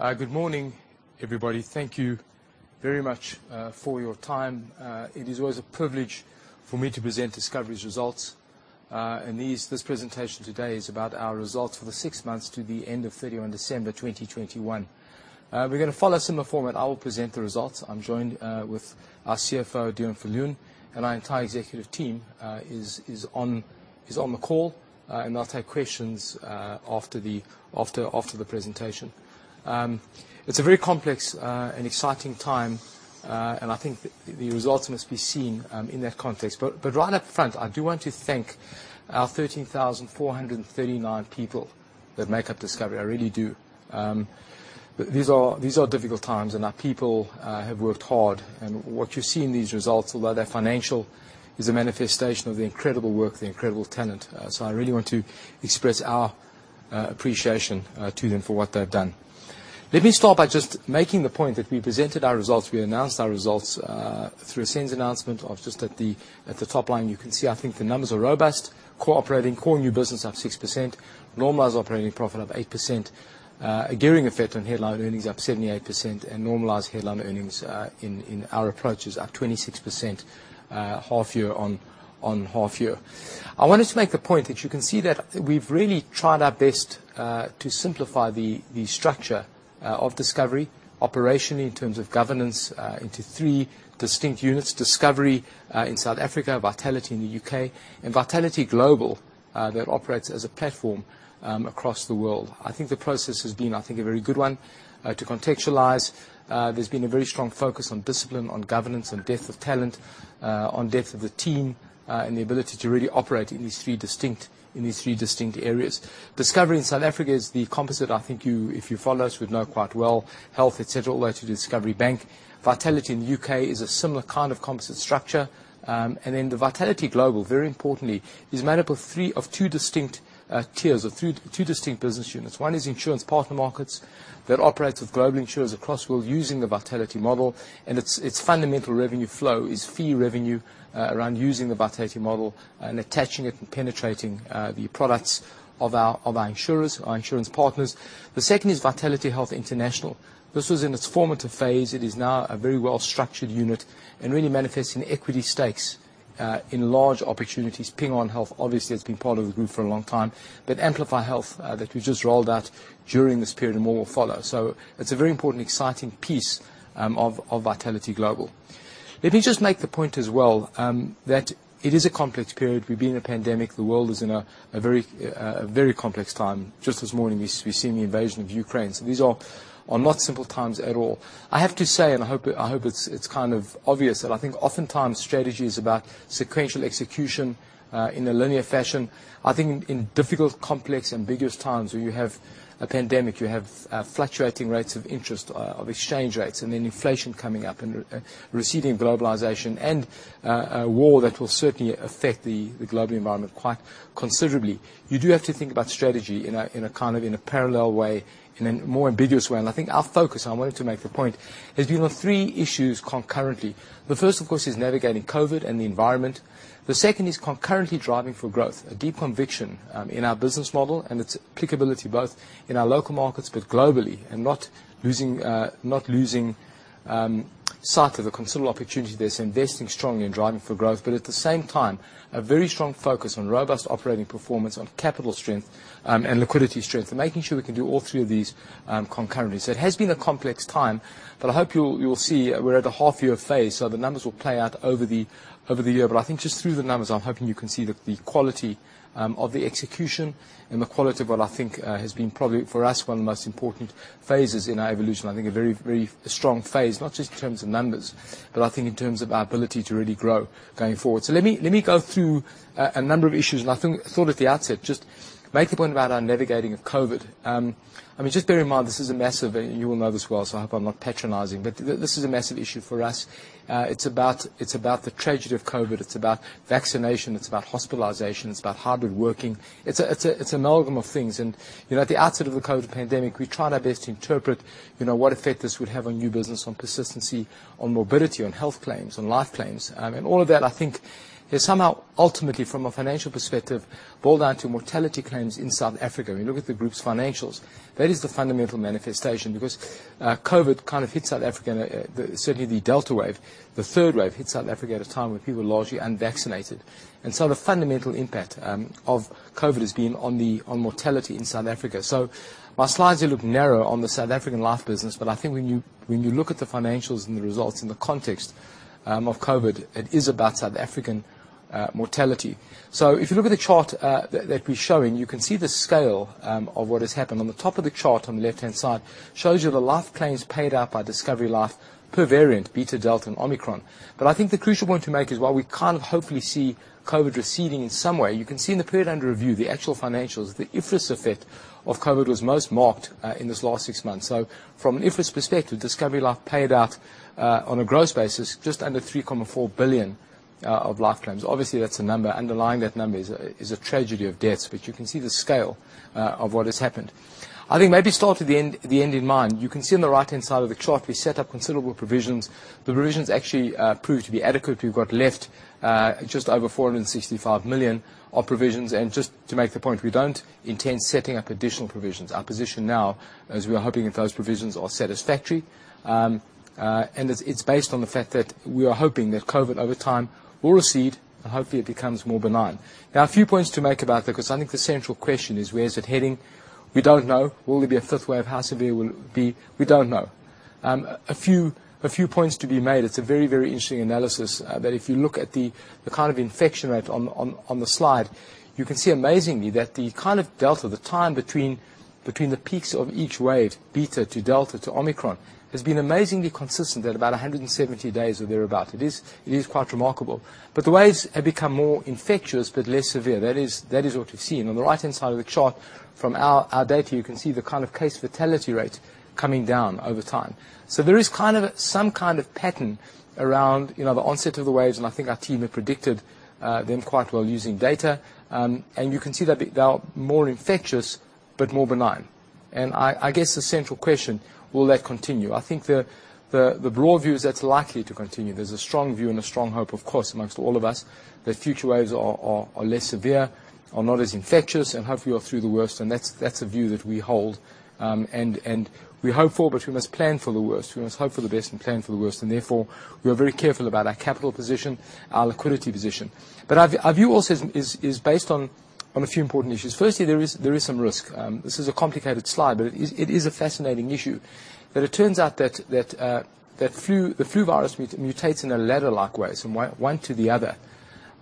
Good morning, everybody. Thank you very much for your time. It is always a privilege for me to present Discovery's results. This presentation today is about our results for the six months to the end of 31 December 2021. We're gonna follow a similar format. I will present the results. I'm joined with our CFO, Deon Viljoen, and our entire executive team is on the call. I'll take questions after the presentation. It's a very complex and exciting time. I think the results must be seen in that context. Right up front, I do want to thank our 13,439 people that make up Discovery. I really do. These are difficult times, and our people have worked hard. What you see in these results, although they're financial, is a manifestation of the incredible work, the incredible talent. I really want to express our appreciation to them for what they've done. Let me start by just making the point that we presented our results, we announced our results through a SENS announcement. Just at the top line, you can see I think the numbers are robust. Core new business up 6%. Normalized operating profit up 8%. Gearing effect on headline earnings up 78%, and normalized headline earnings in our operations up 26%, half year on half year. I wanted to make the point that you can see that we've really tried our best to simplify the structure of Discovery operationally in terms of governance into three distinct units. Discovery in South Africa, Vitality in the U.K., and Vitality Global that operates as a platform across the world. I think the process has been a very good one. To contextualize, there's been a very strong focus on discipline, on governance, on depth of talent, on depth of the team, and the ability to really operate in these three distinct areas. Discovery in South Africa is the composite I think you, if you follow us, would know quite well. Health, et cetera, all the way to Discovery Bank. Vitality in the U.K. is a similar kind of composite structure. The Vitality Global, very importantly, is made up of two distinct business units. One is insurance partner markets that operates with global insurers across the world using the Vitality model, and its fundamental revenue flow is fee revenue around using the Vitality model and attaching it and penetrating the products of our insurers, our insurance partners. The second is Vitality Health International. This was in its formative phase. It is now a very well-structured unit and really manifests in equity stakes in large opportunities. Ping An Health obviously has been part of the group for a long time. But Amplify Health, that we just rolled out during this period and more will follow. It's a very important, exciting piece of Vitality Global. Let me just make the point as well, that it is a complex period. We've been in a pandemic. The world is in a very complex time. Just this morning, we've seen the invasion of Ukraine. These are not simple times at all. I have to say, and I hope it's kind of obvious, that I think oftentimes strategy is about sequential execution in a linear fashion. I think in difficult, complex, ambiguous times where you have a pandemic, you have fluctuating rates of interest, of exchange rates, and then inflation coming up, and receding globalization, and a war that will certainly affect the global environment quite considerably, you do have to think about strategy in a kind of parallel way, in a more ambiguous way. I think our focus, and I wanted to make the point, has been on three issues concurrently. The first, of course, is navigating COVID and the environment. The second is concurrently driving for growth, a deep conviction in our business model and its applicability both in our local markets but globally, and not losing sight of the considerable opportunity. There's investing strongly in driving for growth, but at the same time, a very strong focus on robust operating performance, on capital strength, and liquidity strength, and making sure we can do all three of these concurrently. It has been a complex time, but I hope you'll see we're at the half year phase, so the numbers will play out over the year. I think just through the numbers, I'm hoping you can see the quality of the execution and the quality of what I think has been probably for us one of the most important phases in our evolution. I think a very, very strong phase, not just in terms of numbers, but I think in terms of our ability to really grow going forward. Let me go through a number of issues. I thought at the outset, just make the point about our navigating of COVID. I mean, just bear in mind, this is a massive issue. You will know this well, so I hope I'm not patronizing. This is a massive issue for us. It's about the tragedy of COVID. It's about vaccination. It's about hospitalization. It's about hard working. It's an amalgam of things. You know, at the outset of the COVID pandemic, we tried our best to interpret, you know, what effect this would have on new business, on persistency, on morbidity, on health claims, on life claims. All of that I think has somehow ultimately from a financial perspective boiled down to mortality claims in South Africa. When you look at the group's financials, that is the fundamental manifestation because COVID kind of hit South Africa certainly the Delta wave. The third wave hit South Africa at a time when people were largely unvaccinated. The fundamental impact of COVID has been on mortality in South Africa. My slides here look narrow on the South African life business, but I think when you look at the financials and the results in the context of COVID, it is about South African mortality. If you look at the chart that we're showing, you can see the scale of what has happened. On the top of the chart on the left-hand side shows you the life claims paid out by Discovery Life per variant, Beta, Delta, and Omicron. I think the crucial point to make is while we kind of hopefully see COVID receding in some way, you can see in the period under review, the actual financials, the IFRS effect of COVID was most marked in this last six months. From an IFRS perspective, Discovery Life paid out on a gross basis just under 3.4 billion of life claims. Obviously, that's a number. Underlying that number is a tragedy of deaths, but you can see the scale of what has happened. I think maybe start at the end in mind. You can see on the right-hand side of the chart, we set up considerable provisions. The provisions actually proved to be adequate. We've got left just over 465 million of provisions. Just to make the point, we don't intend setting up additional provisions. Our position now is we are hoping that those provisions are satisfactory. It's based on the fact that we are hoping that COVID over time will recede, and hopefully it becomes more benign. Now, a few points to make about that because I think the central question is: Where is it heading? We don't know. Will there be a fifth wave? How severe will it be? We don't know. A few points to be made. It's a very, very interesting analysis that if you look at the kind of infection rate on the slide, you can see amazingly that the kind of delta, the time between the peaks of each wave, Beta to Delta to Omicron, has been amazingly consistent at about 170 days or thereabout. It is quite remarkable. But the waves have become more infectious but less severe. That is what we've seen. On the right-hand side of the chart, from our data, you can see the kind of case fatality rate coming down over time. There is kind of some kind of pattern around, you know, the onset of the waves, and I think our team have predicted them quite well using data. You can see that they are more infectious, but more benign. I guess the central question. Will that continue? I think the broad view is that that's likely to continue. There's a strong view and a strong hope, of course, amongst all of us that future waves are less severe, are not as infectious, and hopefully are through the worst. That's a view that we hold. We hope for, but we must plan for the worst. We must hope for the best and plan for the worst. Therefore, we are very careful about our capital position, our liquidity position. Our view also is based on a few important issues. Firstly, there is some risk. This is a complicated slide, but it is a fascinating issue. It turns out that the flu virus mutates in a ladder-like way, from one to the other.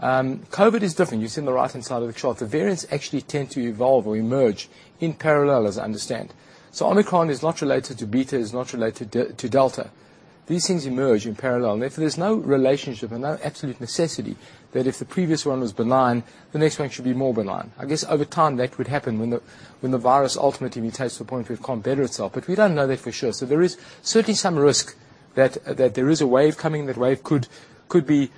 COVID is different. You see on the right-hand side of the chart, the variants actually tend to evolve or emerge in parallel, as I understand. Omicron is not related to Beta, is not related to Delta. These things emerge in parallel. Therefore there's no relationship and no absolute necessity that if the previous one was benign, the next one should be more benign. I guess over time that could happen when the virus ultimately mutates to the point where it can't better itself. We don't know that for sure. There is certainly some risk that there is a wave coming. That wave could be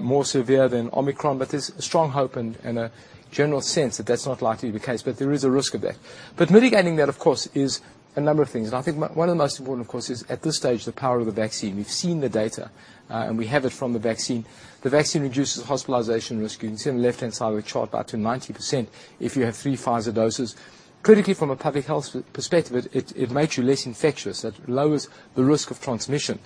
more severe than Omicron. There's a strong hope and a general sense that that's not likely the case. There is a risk of that. Mitigating that, of course, is a number of things. I think one of the most important, of course, is at this stage, the power of the vaccine. We've seen the data, and we have it from the vaccine. The vaccine reduces hospitalization risk. You can see on the left-hand side of the chart, up to 90% if you have three Pfizer doses. Critically, from a public health perspective, it makes you less infectious. That lowers the risk of transmission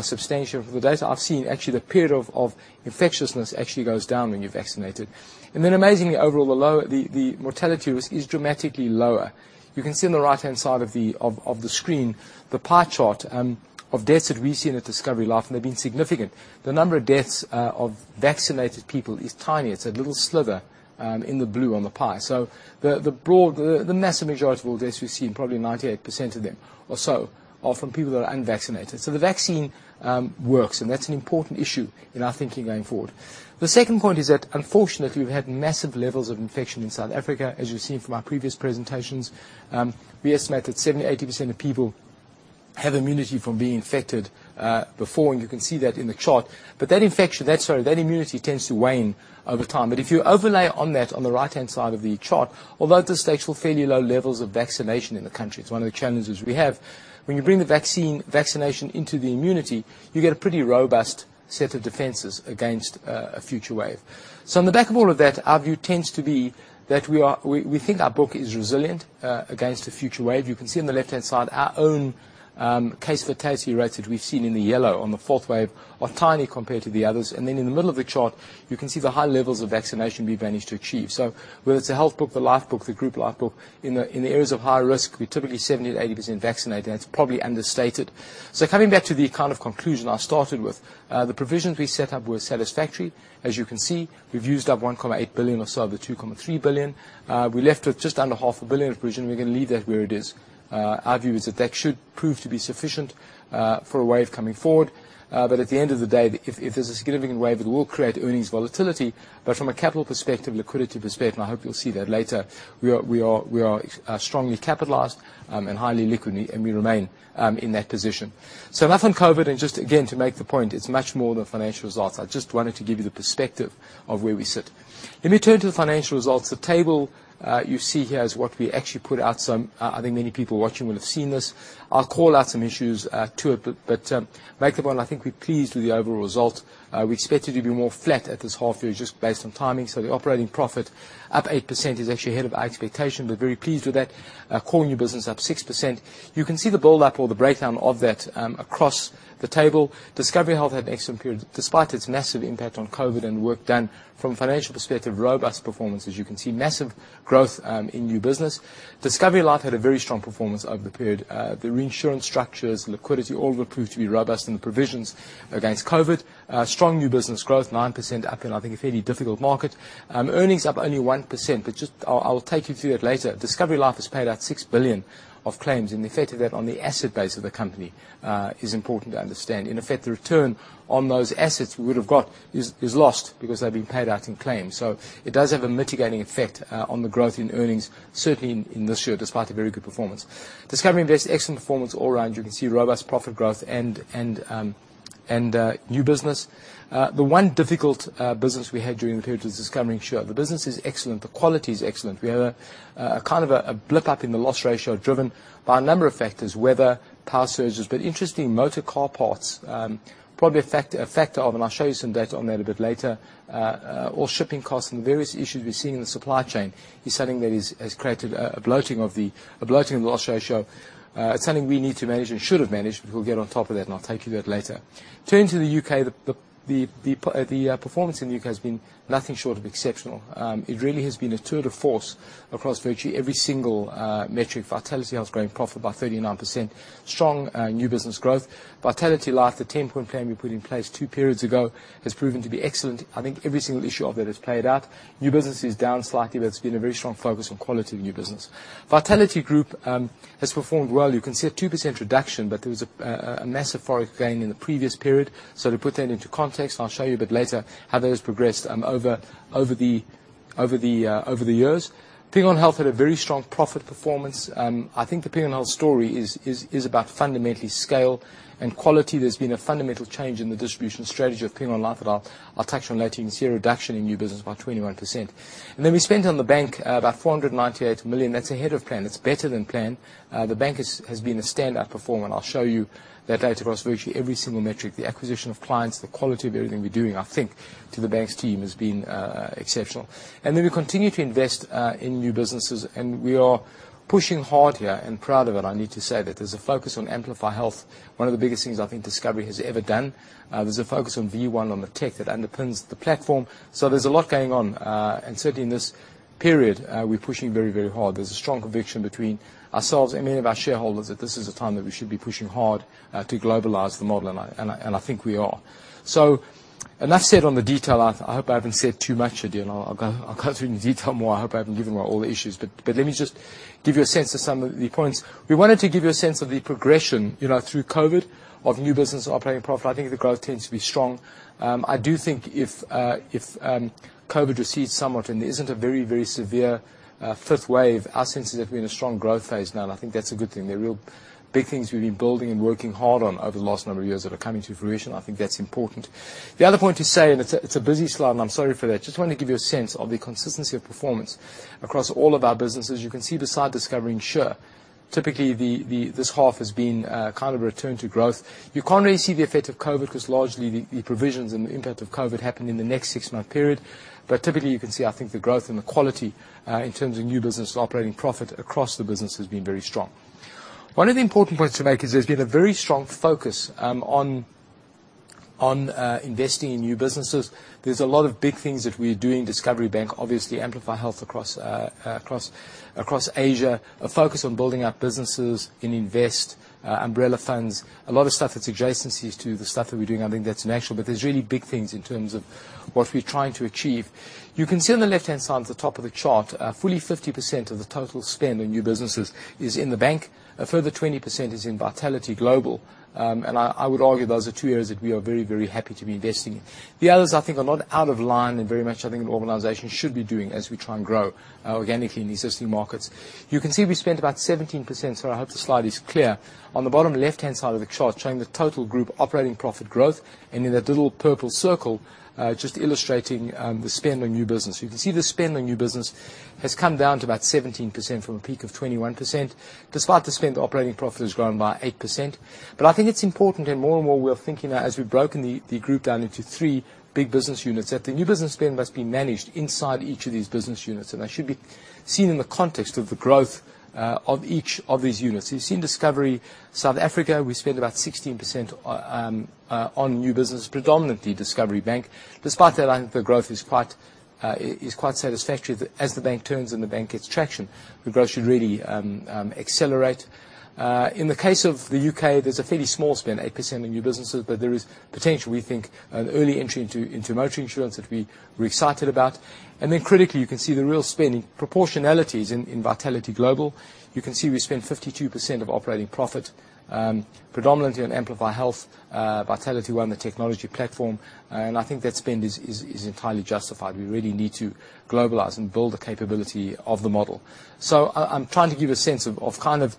substantially. From the data I've seen, actually the period of infectiousness actually goes down when you're vaccinated. Amazingly, overall, the mortality risk is dramatically lower. You can see on the right-hand side of the screen the pie chart of deaths that we've seen at Discovery Life, and they've been significant. The number of deaths of vaccinated people is tiny. It's that little sliver in the blue on the pie. The massive majority of all deaths we've seen, probably 98% of them or so, are from people that are unvaccinated. The vaccine works, and that's an important issue in our thinking going forward. The second point is that unfortunately, we've had massive levels of infection in South Africa. As you've seen from our previous presentations, we estimate that 70%-80% of people have immunity from being infected before, and you can see that in the chart. That immunity tends to wane over time. If you overlay on that on the right-hand side of the chart, although at this stage, still fairly low levels of vaccination in the country, it's one of the challenges we have. When you bring the vaccination into the immunity, you get a pretty robust set of defenses against a future wave. On the back of all of that, our view tends to be that we think our book is resilient against a future wave. You can see on the left-hand side our own case fatality rates that we've seen in the yellow on the fourth wave are tiny compared to the others. In the middle of the chart, you can see the high levels of vaccination we've managed to achieve. Whether it's the health book, the life book, the group life book, in the areas of high risk, we're typically 70% to 80% vaccinated. That's probably understated. Coming back to the kind of conclusion I started with, the provisions we set up were satisfactory. As you can see, we've used up 1.8 billion or so of the 2.3 billion. We're left with just under half a billion of provision. We're gonna leave that where it is. Our view is that should prove to be sufficient for a wave coming forward. At the end of the day, if there's a significant wave, it will create earnings volatility. From a capital perspective, liquidity perspective, and I hope you'll see that later, we are strongly capitalized and highly liquid, and we remain in that position. Enough on COVID. Just again, to make the point, it's much more than financial results. I just wanted to give you the perspective of where we sit. Let me turn to the financial results. The table you see here is what we actually put out. Some, I think many people watching will have seen this. I'll call out some issues too. Make the point, I think we're pleased with the overall result. We expected to be more flat at this half year just based on timing. The operating profit up 8% is actually ahead of our expectation. We're very pleased with that. Core new business up 6%. You can see the build up or the breakdown of that across the table. Discovery Health had an excellent period despite its massive impact on COVID and work done. From a financial perspective, robust performance. As you can see, massive growth in new business. Discovery Life had a very strong performance over the period. The reinsurance structures, liquidity all have proved to be robust, and the provisions against COVID. Strong new business growth, 9% up in I think a fairly difficult market. Earnings up only 1%, but I will take you through that later. Discovery Life has paid out six billion of claims, and the effect of that on the asset base of the company is important to understand. In effect, the return on those assets we would have got is lost because they've been paid out in claims. It does have a mitigating effect on the growth in earnings, certainly in this year, despite a very good performance. Discovery Invest, excellent performance all round. You can see robust profit growth and new business. The one difficult business we had during the period was Discovery Insure. The business is excellent. The quality is excellent. We had a kind of blip up in the loss ratio driven by a number of factors, weather, power surges. Interesting, motor car parts probably a factor of, and I'll show you some data on that a bit later, or shipping costs and the various issues we've seen in the supply chain is something that has created a bloating of the loss ratio. It's something we need to manage and should have managed. We'll get on top of that, and I'll take you through that later. Turning to the U.K., the performance in the U.K. has been nothing short of exceptional. It really has been a tour de force across virtually every single metric. VitalityHealth growing profit by 39%. Strong new business growth. VitalityLife, the 10-point plan we put in place two periods ago has proven to be excellent. I think every single issue of that has played out. New business is down slightly, but it's been a very strong focus on quality of new business. Vitality Group has performed well. You can see a 2% reduction, but there was a massive foreign gain in the previous period. To put that into context, and I'll show you a bit later how those progressed over the years. Ping An Health had a very strong profit performance. I think the Ping An Health story is about fundamentally scale and quality. There's been a fundamental change in the distribution strategy of Ping An Life that I'll touch on later. You can see a reduction in new business by 21%. We spent on the bank about 498 million. That's ahead of plan. It's better than planned. The bank has been a standout performer, and I'll show you that later across virtually every single metric. The acquisition of clients, the quality of everything we're doing, I think, to the banks team has been exceptional. We continue to invest in new businesses, and we are pushing hard here and proud of it. I need to say that there's a focus on Amplify Health, one of the biggest things I think Discovery has ever done. There's a focus on Vitality ONE, on the tech that underpins the platform. There's a lot going on. Certainly in this period, we're pushing very, very hard. There's a strong conviction between ourselves and many of our shareholders that this is a time that we should be pushing hard to globalize the model, and I think we are. Enough said on the detail. I hope I haven't said too much again. I'll go through in detail more. I hope I haven't given away all the issues. Let me just give you a sense of some of the points. We wanted to give you a sense of the progression, you know, through COVID of new business operating profit. I think the growth tends to be strong. I do think if COVID recedes somewhat, and there isn't a very severe fifth wave, our sense is that we're in a strong growth phase now, and I think that's a good thing. There are real big things we've been building and working hard on over the last number of years that are coming to fruition. I think that's important. The other point to say, and it's a busy slide, and I'm sorry for that. Just wanted to give you a sense of the consistency of performance across all of our businesses. You can see beside Discovery Insure, typically this half has been kind of a return to growth. You can't really see the effect of COVID because largely the provisions and the impact of COVID happen in the next six-month period. Typically, you can see, I think, the growth and the quality in terms of new business operating profit across the business has been very strong. One of the important points to make is there's been a very strong focus on investing in new businesses. There's a lot of big things that we're doing. Discovery Bank, obviously Amplify Health across Asia. A focus on building up businesses in Investec umbrella funds. A lot of stuff that's adjacencies to the stuff that we're doing. I think that's natural. There's really big things in terms of what we're trying to achieve. You can see on the left-hand side at the top of the chart, fully 50% of the total spend on new businesses is in the bank. A further 20% is in Vitality Global. I would argue those are two areas that we are very, very happy to be investing in. The others, I think are not out of line and very much I think an organization should be doing as we try and grow organically in the existing markets. You can see we spent about 17%, so I hope the slide is clear. On the bottom left-hand side of the chart showing the total group operating profit growth, and in that little purple circle just illustrating the spend on new business. You can see the spend on new business has come down to about 17% from a peak of 21%. Despite the spend, the operating profit has grown by 8%. I think it's important, and more and more we are thinking as we've broken the group down into three big business units, that the new business spend must be managed inside each of these business units. They should be seen in the context of the growth of each of these units. You've seen Discovery South Africa, we spend about 16% on new business, predominantly Discovery Bank. Despite that, I think the growth is quite satisfactory. As the bank turns and the bank gets traction, the growth should really accelerate. In the case of the U.K., there's a fairly small spend, 8% on new businesses, but there is potential. We think an early entry into motor insurance that we're excited about. Then critically, you can see the real spend proportionalities in Vitality Global. You can see we spend 52% of operating profit, predominantly on Amplify Health, VitalityOne, the technology platform. I think that spend is entirely justified. We really need to globalize and build the capability of the model. I'm trying to give a sense of kind of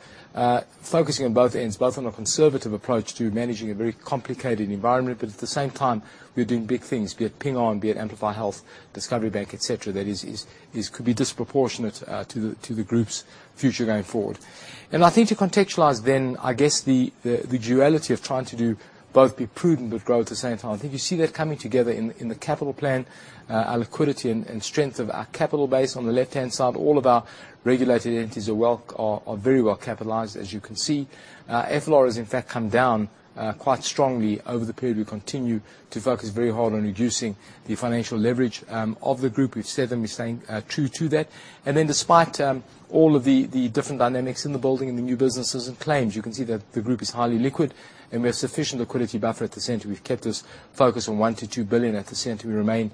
focusing on both ends, both on a conservative approach to managing a very complicated environment, but at the same time, we are doing big things, be it Ping An, be it Amplify Health, Discovery Bank, et cetera. That could be disproportionate to the group's future going forward. I think to contextualize then, I guess the duality of trying to do both be prudent but grow at the same time. I think you see that coming together in the capital plan. Our liquidity and strength of our capital base on the left-hand side. All of our regulated entities are very well capitalized, as you can see. FLR has in fact come down quite strongly over the period. We continue to focus very hard on reducing the financial leverage of the group. We've said that we're staying true to that. Despite all of the different dynamics in the building and the new businesses and claims, you can see that the group is highly liquid, and we have sufficient liquidity buffer at the center. We've kept this focus on 1 billion to 2 billion at the center. We remain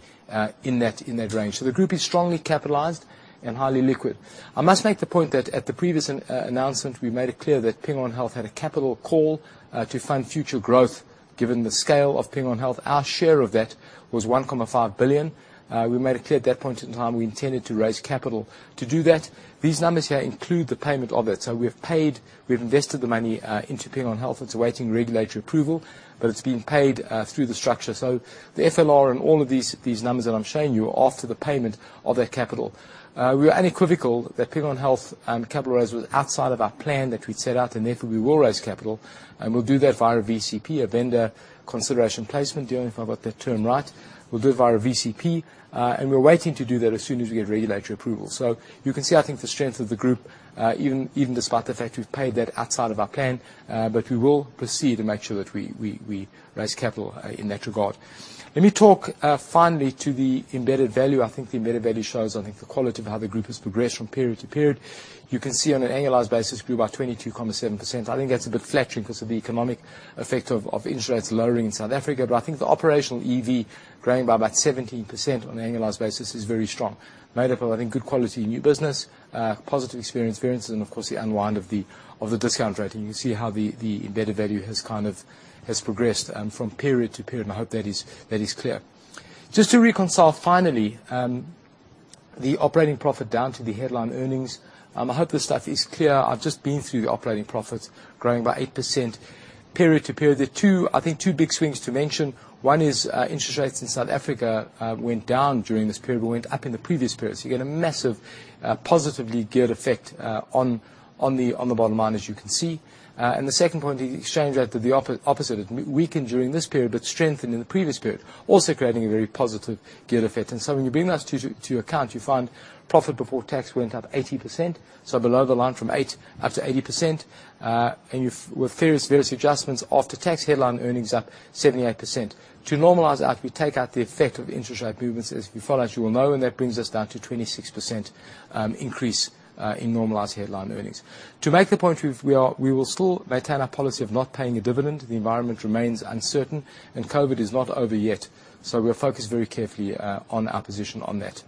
in that range. The group is strongly capitalized and highly liquid. I must make the point that at the previous announcement, we made it clear that Ping An Health had a capital call to fund future growth. Given the scale of Ping An Health, our share of that was 1.5 billion. We made it clear at that point in time we intended to raise capital to do that. These numbers here include the payment of that. We've invested the money into Ping An Health. It's awaiting regulatory approval, but it's being paid through the structure. The FLR and all of these numbers that I'm showing you are after the payment of that capital. We are unequivocal that Ping An Health capital raise was outside of our plan that we'd set out, and therefore, we will raise capital, and we'll do that via VCP, a vendor consideration placement. Dion, if I got that term right. We'll do it via VCP and we're waiting to do that as soon as we get regulatory approval. You can see, I think, the strength of the group, even despite the fact we've paid that outside of our plan, but we will proceed and make sure that we raise capital in that regard. Let me talk finally to the embedded value. I think the embedded value shows, I think, the quality of how the group has progressed from period to period. You can see on an annualized basis, grew by 22.7%. I think that's a bit flat because of the economic effect of interest rates lowering in South Africa. I think the operational EV growing by about 17% on an annualized basis is very strong. Made up of, I think, good quality new business, positive experience variances, and of course, the unwind of the discount rate. You can see how the embedded value has progressed from period to period. I hope that is clear. Just to reconcile finally the operating profit down to the headline earnings. I hope this stuff is clear. I've just been through the operating profits growing by 8% period to period. There are two big swings to mention. One is interest rates in South Africa went down during this period, but went up in the previous period. You get a massive positively geared effect on the bottom line, as you can see. The second point is exchange rate did the opposite. It weakened during this period, but strengthened in the previous period, also creating a very positive geared effect. When you bring those two to account, you find profit before tax went up 80%, so below the line from 8% up to 80%. With various adjustments after tax headline earnings up 78%. To normalize that, we take out the effect of interest rate movements, as followers will know, and that brings us down to 26% increase in normalized headline earnings. To make the point, we will still maintain our policy of not paying a dividend. The environment remains uncertain and COVID is not over yet, so we are focused very carefully on our position on that.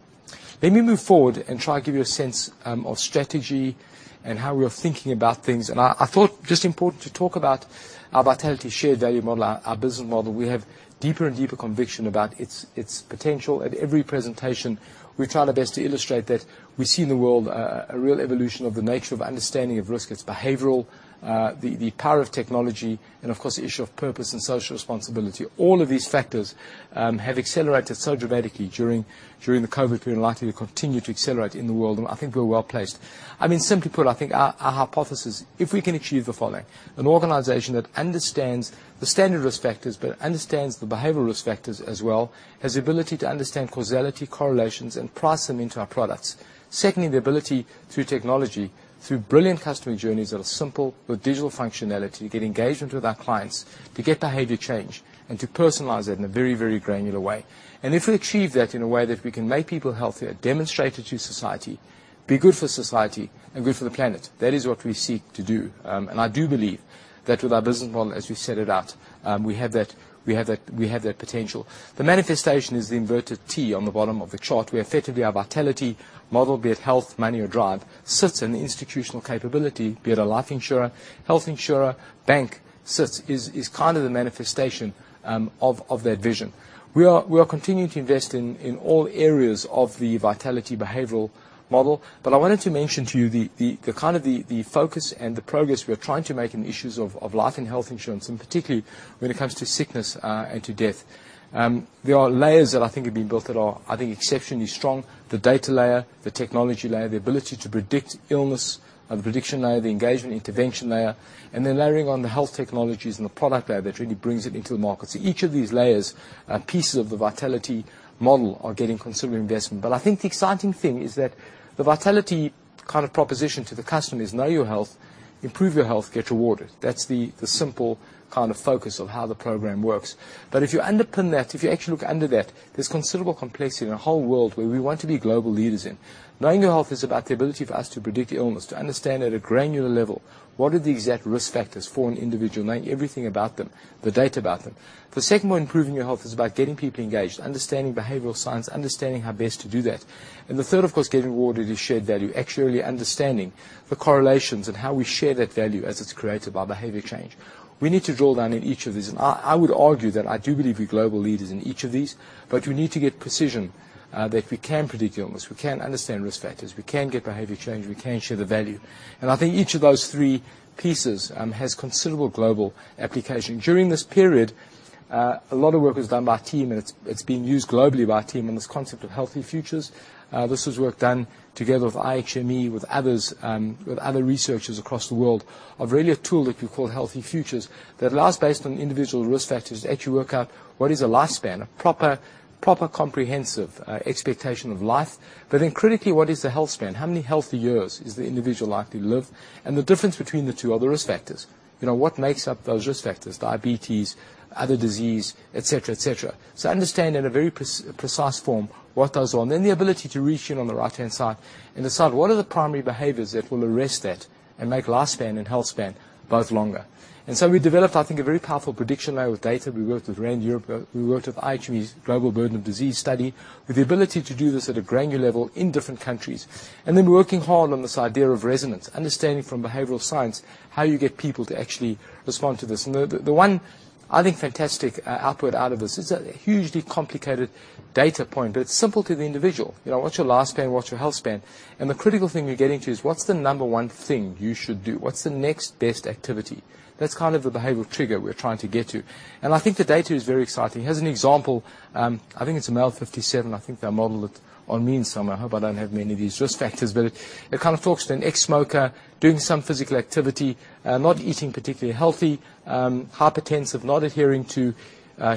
Let me move forward and try and give you a sense of strategy and how we are thinking about things. I thought just important to talk about our Vitality shared value model, our business model. We have deeper and deeper conviction about its potential. At every presentation, we try our best to illustrate that we see in the world a real evolution of the nature of understanding of risk. It's behavioral, the power of technology, and of course, the issue of purpose and social responsibility. All of these factors have accelerated so dramatically during the COVID period and likely to continue to accelerate in the world, and I think we're well placed. I mean, simply put, I think our hypothesis, if we can achieve the following, an organization that understands the standard risk factors, but understands the behavioral risk factors as well, has the ability to understand causality, correlations, and price them into our products. Secondly, the ability through technology, through brilliant customer journeys that are simple with digital functionality, to get engagement with our clients, to get behavior change, and to personalize it in a very, very granular way. If we achieve that in a way that we can make people healthier, demonstrate it to society, be good for society and good for the planet, that is what we seek to do. I do believe that with our business model as we set it out, we have that potential. The manifestation is the inverted T on the bottom of the chart, where effectively our Vitality model, be it health, money or drive, sits in the institutional capability, be it a life insurer, health insurer, bank is kind of the manifestation of that vision. We are continuing to invest in all areas of the Vitality behavioral model. I wanted to mention to you the focus and the progress we are trying to make in issues of life and health insurance, and particularly when it comes to sickness, and to death. There are layers that I think have been built that are, I think, exceptionally strong. The data layer, the technology layer, the ability to predict illness, the prediction layer, the engagement intervention layer, and then layering on the health technologies and the product layer that really brings it into the market. Each of these layers are pieces of the Vitality model are getting considerable investment. I think the exciting thing is that the Vitality kind of proposition to the customer is know your health, improve your health, get rewarded. That's the simple kind of focus of how the program works. If you underpin that, if you actually look under that, there's considerable complexity in a whole world where we want to be global leaders in. Knowing your health is about the ability for us to predict illness, to understand at a granular level what are the exact risk factors for an individual, knowing everything about them, the data about them. The second way of improving your health is about getting people engaged, understanding behavioral science, understanding how best to do that. The third, of course, getting rewarded is shared value, actually understanding the correlations and how we share that value as it's created by behavior change. We need to drill down in each of these, and I would argue that I do believe we're global leaders in each of these, but we need to get precision that we can predict illness, we can understand risk factors, we can get behavior change, we can share the value. I think each of those three pieces has considerable global application. During this period, a lot of work was done by our team, and it's being used globally by our team in this concept of Healthy Futures. This was work done together with IHME, with others, with other researchers across the world, of really a tool that we call Healthy Futures that allows based on individual risk factors to actually work out what is a lifespan, a proper comprehensive expectation of life. Then critically, what is the health span? How many healthy years is the individual likely to live? The difference between the two are the risk factors. You know, what makes up those risk factors? Diabetes, other disease, et cetera, et cetera. Understand in a very precise form what those are. Then the ability to reach in on the right-hand side and decide what are the primary behaviors that will arrest that and make lifespan and health span both longer. We developed, I think, a very powerful prediction layer with data. We worked with RAND Europe. We worked with IHME's Global Burden of Disease study, with the ability to do this at a granular level in different countries. Then working hard on this idea of resonance, understanding from behavioral science how you get people to actually respond to this. The one I think fantastic output out of this is a hugely complicated data point, but it's simple to the individual. You know, what's your lifespan? What's your healthspan? The critical thing we're getting to is what's the number one thing you should do? What's the next best action? That's kind of the behavioral trigger we're trying to get to. I think the data is very exciting. Here's an example. I think it's a male, 57. I think they modeled it on me in some way. I hope I don't have many of these risk factors. But it kind of talks to an ex-smoker doing some physical activity, not eating particularly healthy, hypertensive, not adhering to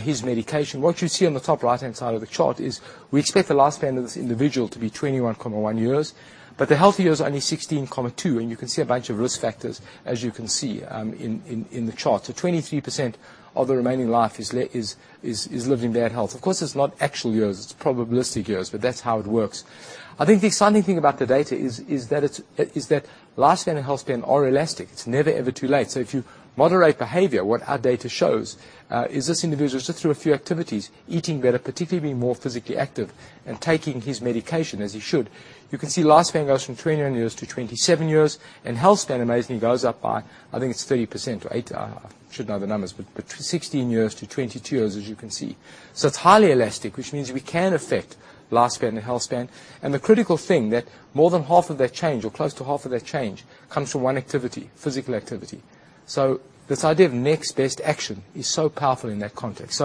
his medication. What you see on the top right-hand side of the chart is we expect the lifespan of this individual to be 21.1 years, but the healthy years are only 16.2, and you can see a bunch of risk factors, as you can see, in the chart. Twenty-three percent of the remaining life is lived in bad health. Of course, it's not actual years, it's probabilistic years, but that's how it works. I think the exciting thing about the data is that lifespan and healthspan are elastic. It's never, ever too late. If you moderate behavior, what our data shows is this individual, just through a few activities, eating better, particularly being more physically active and taking his medication as he should. You can see life span goes from 29 years to 27 years, and health span amazingly goes up by, I think it's 30% or eight. I should know the numbers, but 16 years to 22 years, as you can see. It's highly elastic, which means we can affect life span and health span. The critical thing that more than half of that change or close to half of that change comes from one activity, physical activity. This idea of next best action is so powerful in that context.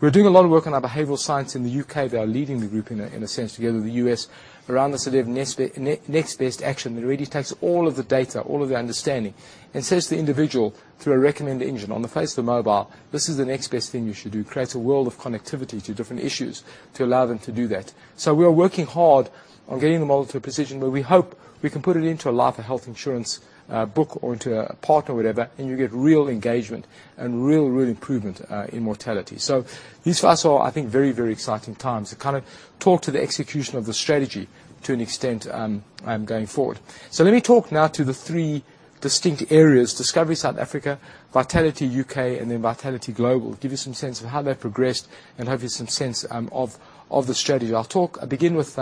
We're doing a lot of work on our behavioral science in the U.K. They are leading the group in a sense, together with the U.S. around this idea of next best action that really takes all of the data, all of the understanding, and says to the individual through a recommendation engine on the face of the mobile, "This is the next best thing you should do." It creates a world of connectivity to different issues to allow them to do that. We are working hard on getting the model to a position where we hope we can put it into a life and health insurance book or into a partner or whatever, and you get real engagement and real improvement in mortality. These for us are, I think, very, very exciting times to kind of talk to the execution of the strategy to an extent going forward. Let me talk now to the three distinct areas, Discovery South Africa, Vitality UK, and then Vitality Global. Give you some sense of how they progressed and give you some sense of the strategy. I'll begin with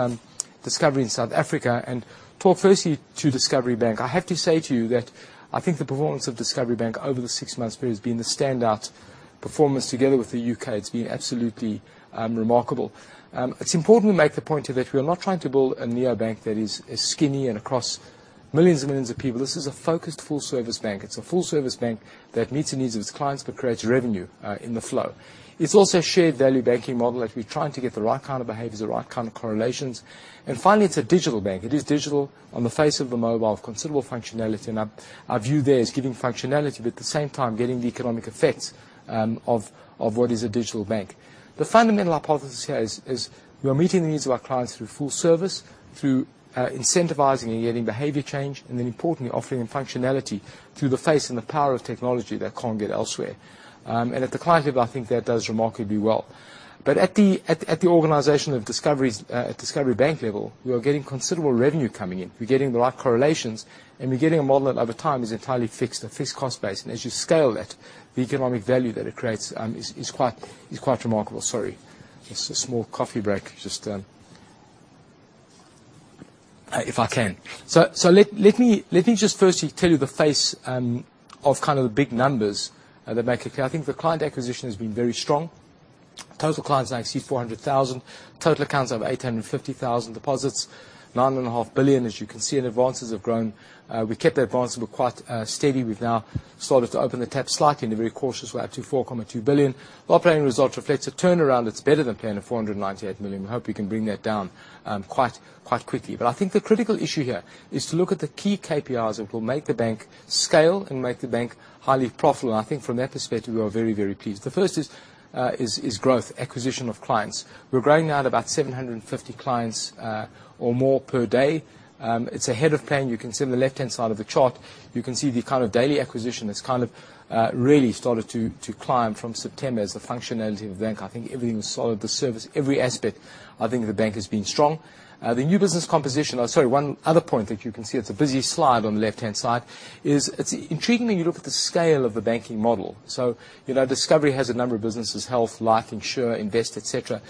Discovery in South Africa and talk firstly to Discovery Bank. I have to say to you that I think the performance of Discovery Bank over the six months period has been the standout performance together with the U.K. It's been absolutely remarkable. It's important to make the point that we are not trying to build a neobank that is as skinny and across millions and millions of people. This is a focused full service bank. It's a full service bank that meets the needs of its clients but creates revenue in the flow. It's also a shared value banking model, that we're trying to get the right kind of behaviors, the right kind of correlations. Finally, it's a digital bank. It is digital on the face of the mobile with considerable functionality, and our view there is giving functionality, but at the same time getting the economic effects of what is a digital bank. The fundamental hypothesis here is we are meeting the needs of our clients through full service, through incentivizing and getting behavior change, and then importantly, offering them functionality through the face and the power of technology they can't get elsewhere. At the client level, I think that does remarkably well. At the organization of Discovery's at Discovery Bank level, we are getting considerable revenue coming in. We're getting the right correlations, and we're getting a model that over time is entirely fixed, a fixed cost base. As you scale that, the economic value that it creates is quite remarkable. Let me just firstly tell you the facts of kind of the big numbers that make it clear. I think the client acquisition has been very strong. Total clients now exceed 400,000. Total accounts over 850,000. Deposits 9.5 billion, as you can see, and advances have grown. We kept the advances quite steady. We've now started to open the tap slightly and be very cautious. We're up to 4.2 billion. Operating results reflects a turnaround. It's better than plan of 498 million. We hope we can bring that down quite quickly. I think the critical issue here is to look at the key KPIs that will make the bank scale and make the bank highly profitable. I think from that perspective, we are very pleased. The first is growth, acquisition of clients. We're growing now at about 750 clients or more per day. It's ahead of plan. You can see on the left-hand side of the chart, you can see the kind of daily acquisition that's kind of really started to climb from September as the functionality of the bank. I think everything solid, the service, every aspect, I think the bank has been strong. The new business composition. Sorry, one other point that you can see, it's a busy slide on the left-hand side, is it's intriguing when you look at the scale of the banking model. You know, Discovery has a number of businesses, health, life, insure, invest, et cetera.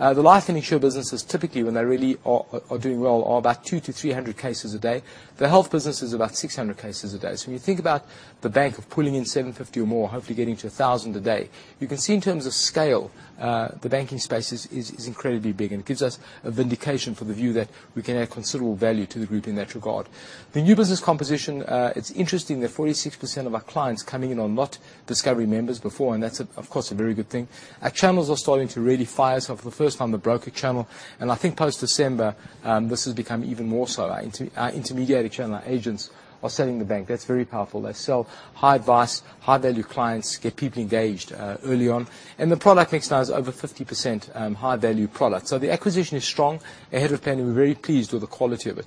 The life and insure businesses, typically, when they really are doing well, are about 200-300 cases a day. The health business is about 600 cases a day. When you think about the bank pulling in 750 or more, hopefully getting to 1,000 a day, you can see in terms of scale, the banking space is incredibly big and gives us a vindication for the view that we can add considerable value to the group in that regard. The new business composition, it's interesting that 46% of our clients coming in are not Discovery members before, and that's, of course, a very good thing. Our channels are starting to really fire. For the first time, the broker channel, and I think post-December, this has become even more so. Our intermediated channel, our agents are selling the bank. That's very powerful. They sell high advice, high value clients, get people engaged, early on. The product mix now is over 50%, high value products. The acquisition is strong, ahead of plan, and we're very pleased with the quality of it.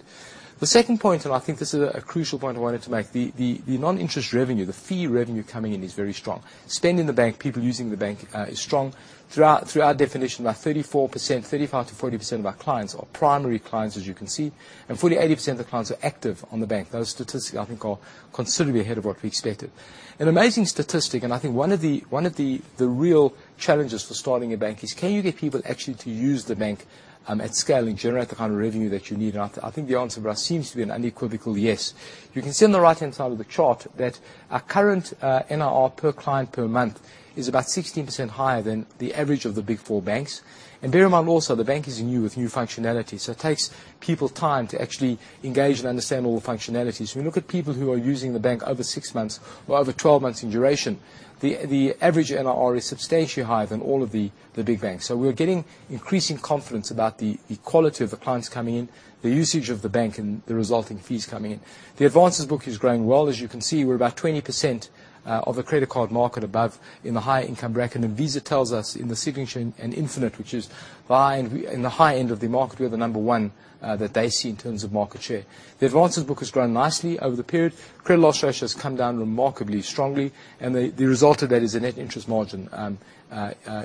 The second point, and I think this is a crucial point I wanted to make, the non-interest revenue, the fee revenue coming in is very strong. Spend in the bank, people using the bank, is strong. Through our definition, about 34%, 35% to 40% of our clients are primary clients, as you can see. 40% to 80% of the clients are active on the bank. Those statistics, I think, are considerably ahead of what we expected. An amazing statistic, I think one of the real challenges for starting a bank is, can you get people actually to use the bank at scale and generate the kind of revenue that you need? I think the answer there seems to be an unequivocal yes. You can see on the right-hand side of the chart that our current NIR per client per month is about 16% higher than the average of the big four banks. Bear in mind also, the bank is new with new functionality, so it takes people time to actually engage and understand all the functionalities. When you look at people who are using the bank over six months or over 12 months in duration, the average NIR is substantially higher than all of the big banks. We're getting increasing confidence about the quality of the clients coming in, the usage of the bank, and the resulting fees coming in. The advances book is growing well. As you can see, we're about 20% of the credit card market above in the high income bracket. Visa tells us in the Signature and Infinite, which is in the high end of the market, we are the number one that they see in terms of market share. The advances book has grown nicely over the period. Credit loss ratio has come down remarkably strongly, and the result of that is the net interest margin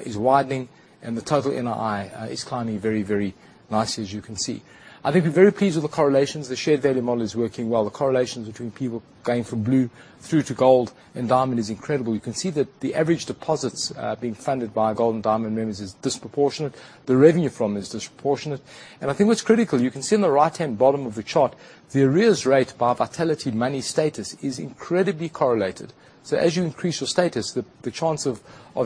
is widening, and the total NII is climbing very, very nicely, as you can see. I think we're very pleased with the correlations. The shared value model is working well. The correlations between people going from blue through to gold and diamond is incredible. You can see that the average deposits being funded by our gold and diamond members is disproportionate. The revenue from them is disproportionate. I think what's critical, you can see on the right-hand bottom of the chart, the arrears rate by Vitality Money status is incredibly correlated. As you increase your status, the chance of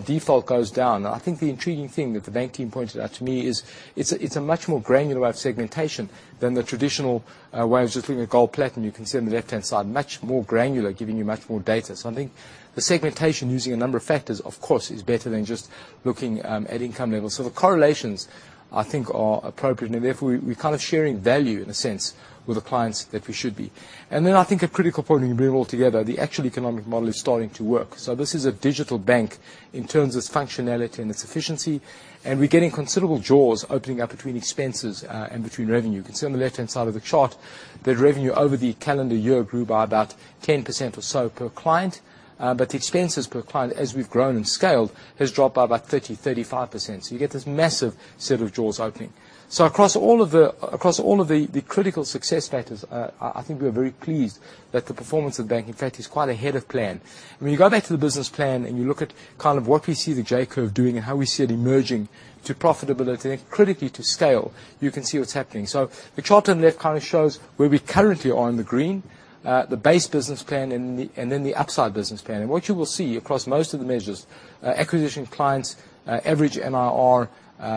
default goes down. I think the intriguing thing that the bank team pointed out to me is it's a much more granular way of segmentation than the traditional way of just doing a gold platinum. You can see on the left-hand side, much more granular, giving you much more data. I think the segmentation using a number of factors, of course, is better than just looking at income levels. The correlations I think are appropriate, and therefore we're kind of sharing value in a sense with the clients that we should be. I think a critical point in bringing it all together, the actual economic model is starting to work. This is a digital bank in terms of its functionality and its efficiency, and we're getting considerable jaws opening up between expenses and between revenue. You can see on the left-hand side of the chart that revenue over the calendar year grew by about 10% or so per client. The expenses per client, as we've grown and scaled, has dropped by about 30% to 35%. You get this massive set of jaws opening. Across all of the critical success factors, I think we are very pleased that the performance of the bank, in fact, is quite ahead of plan. When you go back to the business plan and you look at kind of what we see the J-curve doing and how we see it emerging to profitability and critically to scale, you can see what's happening. The chart on the left kind of shows where we currently are in the green, the base business plan and then the upside business plan. What you will see across most of the measures, acquisition of clients, average MRR,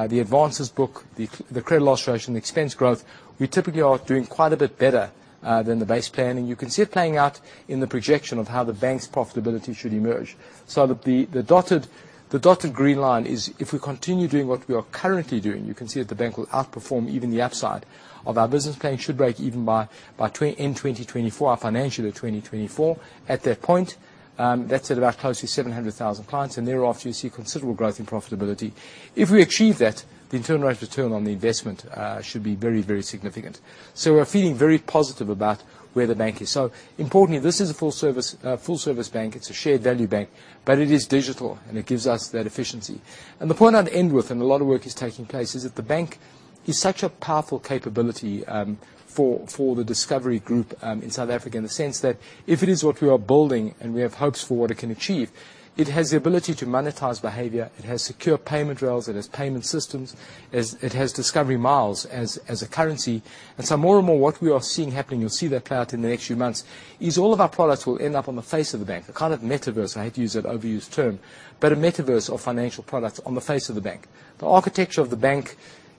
the advances book, the credit loss ratio and the expense growth, we typically are doing quite a bit better than the base plan. You can see it playing out in the projection of how the bank's profitability should emerge. The dotted green line is if we continue doing what we are currently doing. You can see that the bank will outperform even the upside of our business plan. It should break even in 2024, our financial year 2024. At that point, that's at about closely 700,000 clients, and thereafter you'll see considerable growth in profitability. If we achieve that, the internalized return on the investment should be very, very significant. We're feeling very positive about where the bank is. Importantly, this is a full service bank. It's a shared value bank, but it is digital, and it gives us that efficiency. The point I'd end with, and a lot of work is taking place, is that the bank is such a powerful capability for the Discovery Group in South Africa in the sense that if it is what we are building and we have hopes for what it can achieve, it has the ability to monetize behavior. It has secure payment rails, it has payment systems, it has Discovery Miles as a currency. More and more what we are seeing happening, you'll see that play out in the next few months, is all of our products will end up on the face of the bank. A kind of metaverse, I hate to use that overused term, but a metaverse of financial products on the face of the bank. The architecture of the bank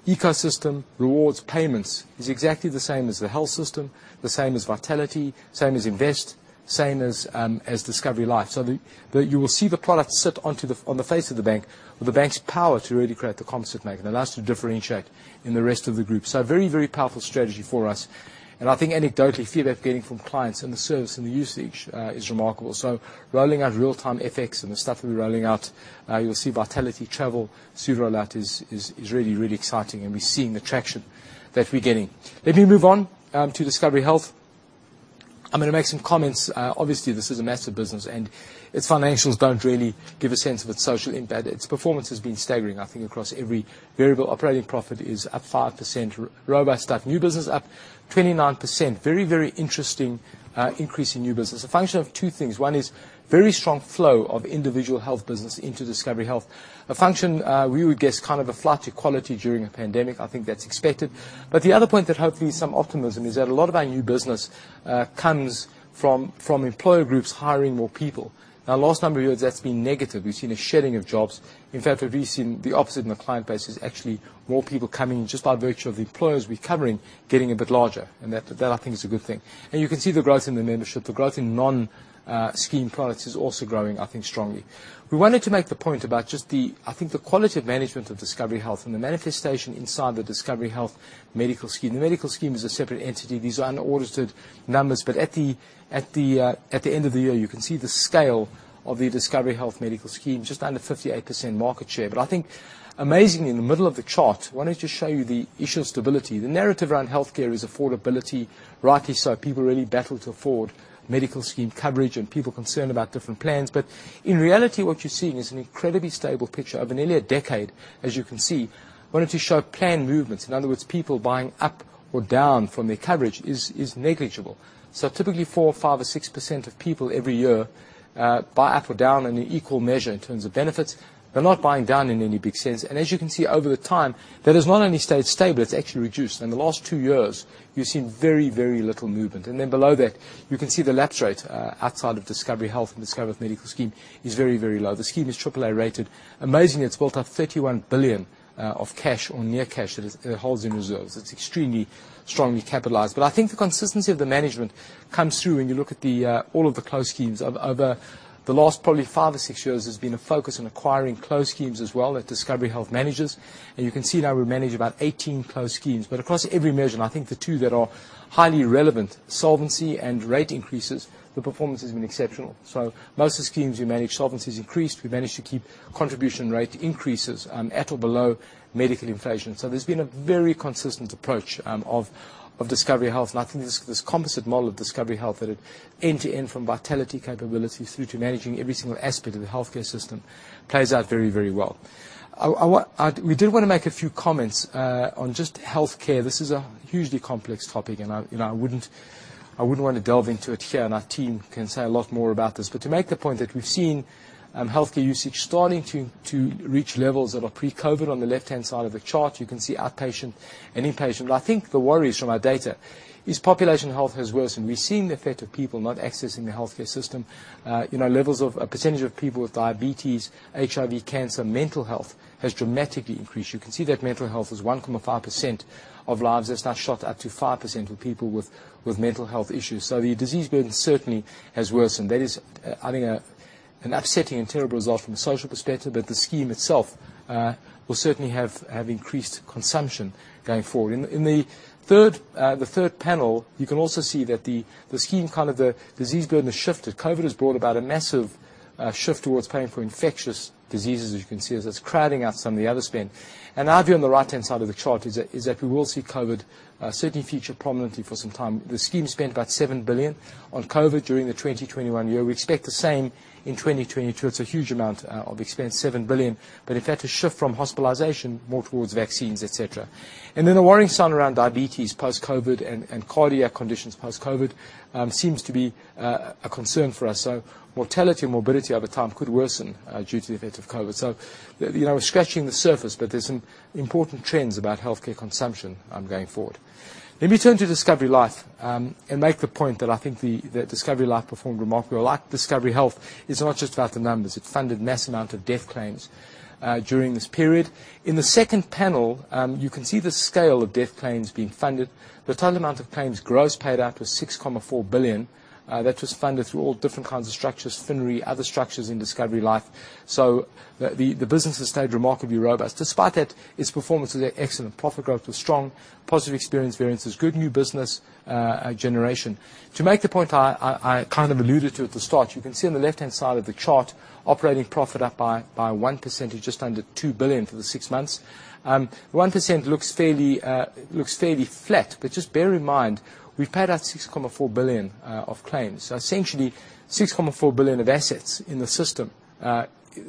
ecosystem, rewards, payments is exactly the same as the health system, the same as Vitality, same as Invest, same as Discovery Life. You will see the products sit on the face of the bank with the bank's power to really create the composite bank and allows us to differentiate in the rest of the group. Very, very powerful strategy for us. I think anecdotally, feedback we're getting from clients and the service and the usage is remarkable. Rolling out real-time FX and the stuff that we're rolling out, you'll see Vitality Travel soon roll out is really, really exciting and we're seeing the traction that we're getting. Let me move on to Discovery Health. I'm gonna make some comments. Obviously this is a massive business and its financials don't really give a sense of its social impact. Its performance has been staggering, I think, across every variable. Operating profit is up 5%. Robust stuff. New business up 29%. Very, very interesting increase in new business. A function of two things. One is very strong flow of individual health business into Discovery Health. A function, we would guess kind of a flat economy during a pandemic. I think that's expected. The other point that hopefully is some optimism is that a lot of our new business comes from employer groups hiring more people. Now last number of years, that's been negative. We've seen a shedding of jobs. In fact, we've seen the opposite in the client base is actually more people coming just by virtue of the employers recovering, getting a bit larger, and that I think is a good thing. You can see the growth in the membership. The growth in non-scheme products is also growing, I think, strongly. We wanted to make the point about just the, I think, the quality of management of Discovery Health and the manifestation inside the Discovery Health Medical Scheme. The Medical Scheme is a separate entity. These are unaudited numbers, but at the end of the year you can see the scale of the Discovery Health Medical Scheme, just under 58% market share. I think amazingly in the middle of the chart, I wanted to show you the issue of stability. The narrative around healthcare is affordability, rightly so. People really battle to afford medical scheme coverage and people are concerned about different plans. In reality, what you're seeing is an incredibly stable picture over nearly a decade, as you can see. I wanted to show plan movements. In other words, people buying up or down from their coverage is negligible. Typically 4% or 5% or 6% of people every year buy up or down in equal measure in terms of benefits. They're not buying down in any big sense. As you can see over the time, that has not only stayed stable, it's actually reduced. In the last two years, you've seen very, very little movement. Then below that, you can see the lapse rate outside of Discovery Health and Discovery Health Medical Scheme is very, very low. The scheme is triple-A rated. Amazingly, it's built up 31 billion of cash or near cash that it holds in reserves. It's extremely strongly capitalized. I think the consistency of the management comes through when you look at all of the closed schemes. Over the last probably five or six years, there's been a focus on acquiring closed schemes as well that Discovery Health manages. You can see now we manage about 18 closed schemes. Across every measure, and I think the two that are highly relevant, solvency and rate increases, the performance has been exceptional. Most of the schemes we manage, solvency has increased. We've managed to keep contribution rate increases at or below medical inflation. There's been a very consistent approach of Discovery Health. I think this composite model of Discovery Health at an end-to-end from Vitality capabilities through to managing every single aspect of the healthcare system plays out very, very well. We did wanna make a few comments on just healthcare. This is a hugely complex topic and, you know, I wouldn't want to delve into it here, and our team can say a lot more about this. To make the point that we've seen healthcare usage starting to reach levels that are pre-COVID. On the left-hand side of the chart, you can see outpatient and inpatient. I think the worries from our data is population health has worsened. We're seeing the effect of people not accessing the healthcare system. You know, levels of a percentage of people with diabetes, HIV, cancer, mental health has dramatically increased. You can see that mental health is 1.5% of lives. That's now shot up to 5% of people with mental health issues. The disease burden certainly has worsened. That is, I think an upsetting and terrible result from a social perspective, but the scheme itself will certainly have increased consumption going forward. In the third panel, you can also see that the scheme, kind of the disease burden has shifted. COVID has brought about a massive shift towards paying for infectious diseases. As you can see, that's crowding out some of the other spend. Our view on the right-hand side of the chart is that we will see COVID certainly feature prominently for some time. The scheme spent about 7 billion on COVID during the 2021 year. We expect the same in 2022. It's a huge amount of expense, 7 billion. In fact, a shift from hospitalization more towards vaccines, et cetera. Then a worrying sign around diabetes post-COVID and cardiac conditions post-COVID seems to be a concern for us. Mortality and morbidity over time could worsen due to the effect of COVID. You know, we're scratching the surface, but there are some important trends about healthcare consumption going forward. Let me turn to Discovery Life and make the point that I think that Discovery Life performed remarkably well. Like Discovery Health, it's not just about the numbers. It funded massive amount of death claims during this period. In the second panel, you can see the scale of death claims being funded. The total amount of claims gross paid out was 6.4 billion. That was funded through all different kinds of structures, FinRe, other structures in Discovery Life. The business has stayed remarkably robust. Despite that, its performance is excellent. Profit growth was strong, positive experience variances, good new business generation. To make the point I kind of alluded to at the start, you can see on the left-hand side of the chart, operating profit up by 1%. It's just under 2 billion for the six months. One percent looks fairly flat. Just bear in mind, we've paid out 6.4 billion of claims. Essentially, 6.4 billion of assets in the system,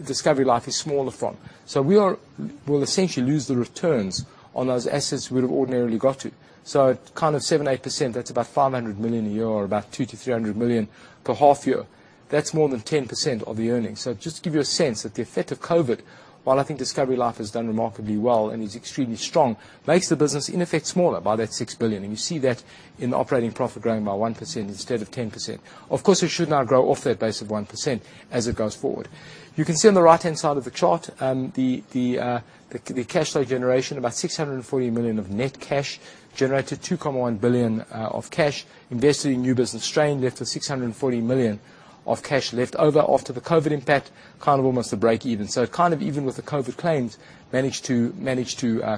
Discovery Life is smaller from. We will essentially lose the returns on those assets we would have ordinarily got to. At kind of 7% to 8%, that's about 500 million a year or about 200 million-300 million per half year. That's more than 10% of the earnings. Just to give you a sense that the effect of COVID, while I think Discovery Life has done remarkably well and is extremely strong, makes the business in effect smaller by that 6 billion. You see that in the operating profit growing by 1% instead of 10%. Of course, it should now grow off that base of 1% as it goes forward. You can see on the right-hand side of the chart, the cash flow generation. About 640 million of net cash generated. 2.1 billion of cash invested in new business strain left 640 million of cash left over after the COVID impact, kind of almost a break even. It kind of even with the COVID claims, managed to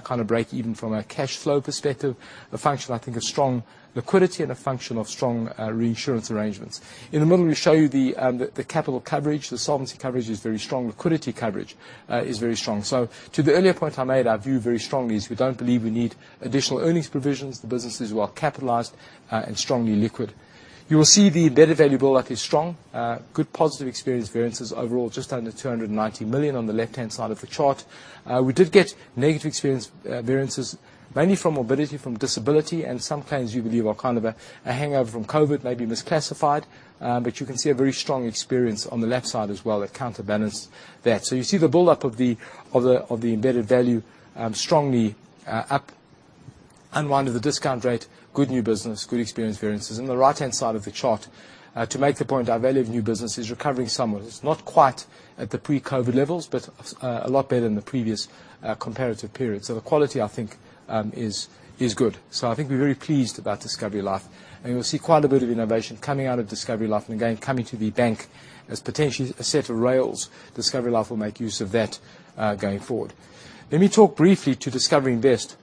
kind of break even from a cash flow perspective. A function, I think, of strong liquidity and a function of strong reinsurance arrangements. In the middle, we show you the capital coverage. The solvency coverage is very strong. Liquidity coverage is very strong. To the earlier point I made, our view very strongly is we don't believe we need additional earnings provisions. The businesses are well capitalized and strongly liquid. You will see the embedded value build up is strong. Good positive experience variances overall, just under 290 million on the left-hand side of the chart. We did get negative experience variances, mainly from morbidity, from disability, and some claims we believe are kind of a hangover from COVID, maybe misclassified. You can see a very strong experience on the left side as well that counterbalanced that. You see the buildup of the embedded value strongly up. Unwind of the discount rate. Good new business, good experience variances. In the right-hand side of the chart, to make the point, our value of new business is recovering somewhat. It's not quite at the pre-COVID levels, but a lot better than the previous comparative period. The quality I think is good. I think we're very pleased about Discovery Life, and you'll see quite a bit of innovation coming out of Discovery Life and again, coming to the bank. As potentially a set of rails, Discovery Life will make use of that going forward. Let me talk briefly to Discovery Invest.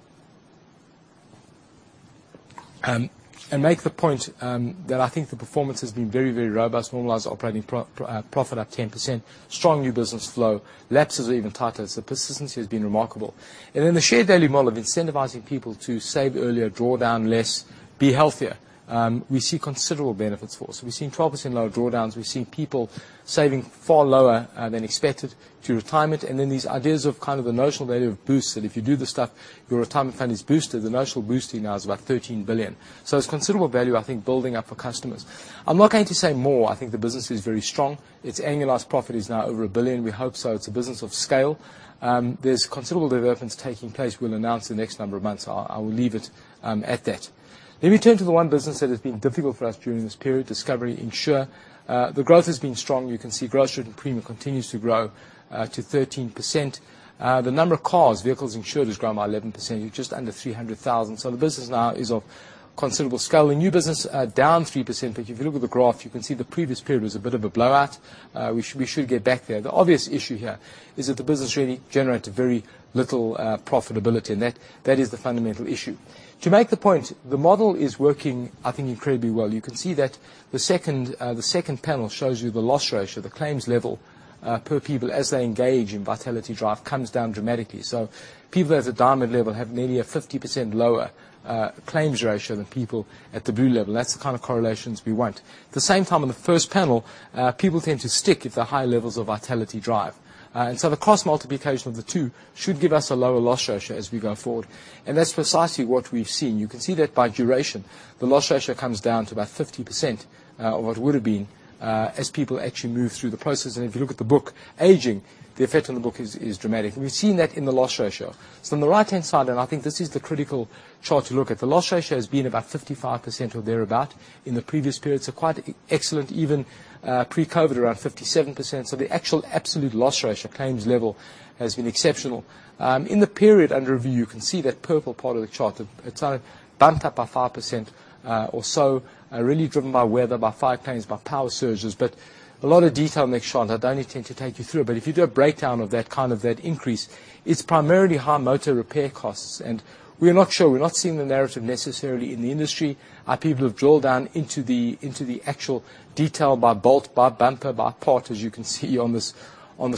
Make the point that I think the performance has been very, very robust. Normalized operating profit up 10%. Strong new business flow. Lapses are even tighter, so persistence has been remarkable. In the shared value model of incentivizing people to save earlier, draw down less, be healthier, we see considerable benefits for us. We've seen 12% lower drawdowns. We've seen people saving far more than expected to retirement. Then these ideas of kind of the notional value of boost. That if you do this stuff, your retirement fund is boosted. The notional boost here now is about 13 billion. So it's considerable value I think building up for customers. I'm not going to say more. I think the business is very strong. Its annualized profit is now over 1 billion, we hope so. It's a business of scale. There's considerable developments taking place we'll announce the next number of months. I will leave it at that. Let me turn to the one business that has been difficult for us during this period, Discovery Insure. The growth has been strong. You can see gross written premium continues to grow to 13%. The number of cars, vehicles insured has grown by 11%. You're just under 300,000. So the business now is of considerable scale. The new business down 3%. But if you look at the graph, you can see the previous period was a bit of a blowout. We should get back there. The obvious issue here is that the business really generated very little profitability, and that is the fundamental issue. To make the point, the model is working, I think, incredibly well. You can see that the second panel shows you the loss ratio. The claims level per people as they engage in Vitality Drive comes down dramatically. People at the diamond level have nearly a 50% lower claims ratio than people at the blue level. That's the kind of correlations we want. At the same time, in the first panel, people tend to stick at the high levels of Vitality Drive. The cross multiplication of the two should give us a lower loss ratio as we go forward. That's precisely what we've seen. You can see that by duration, the loss ratio comes down to about 50% of what it would have been as people actually move through the process. If you look at the book aging, the effect on the book is dramatic. We've seen that in the loss ratio. On the right-hand side, I think this is the critical chart to look at, the loss ratio has been about 55% or thereabout in the previous periods. Quite excellent, even pre-COVID around 57%. The actual absolute loss ratio claims level has been exceptional. In the period under review, you can see that purple part of the chart. It's bumped up by 5%, or so, really driven by weather, by fire claims, by power surges. A lot of detail in that chart. I don't intend to take you through it. If you do a breakdown of that kind of that increase, it's primarily high motor repair costs. We're not sure. We're not seeing the narrative necessarily in the industry. Our people have drilled down into the actual detail by bolt, by bumper, by part, as you can see on this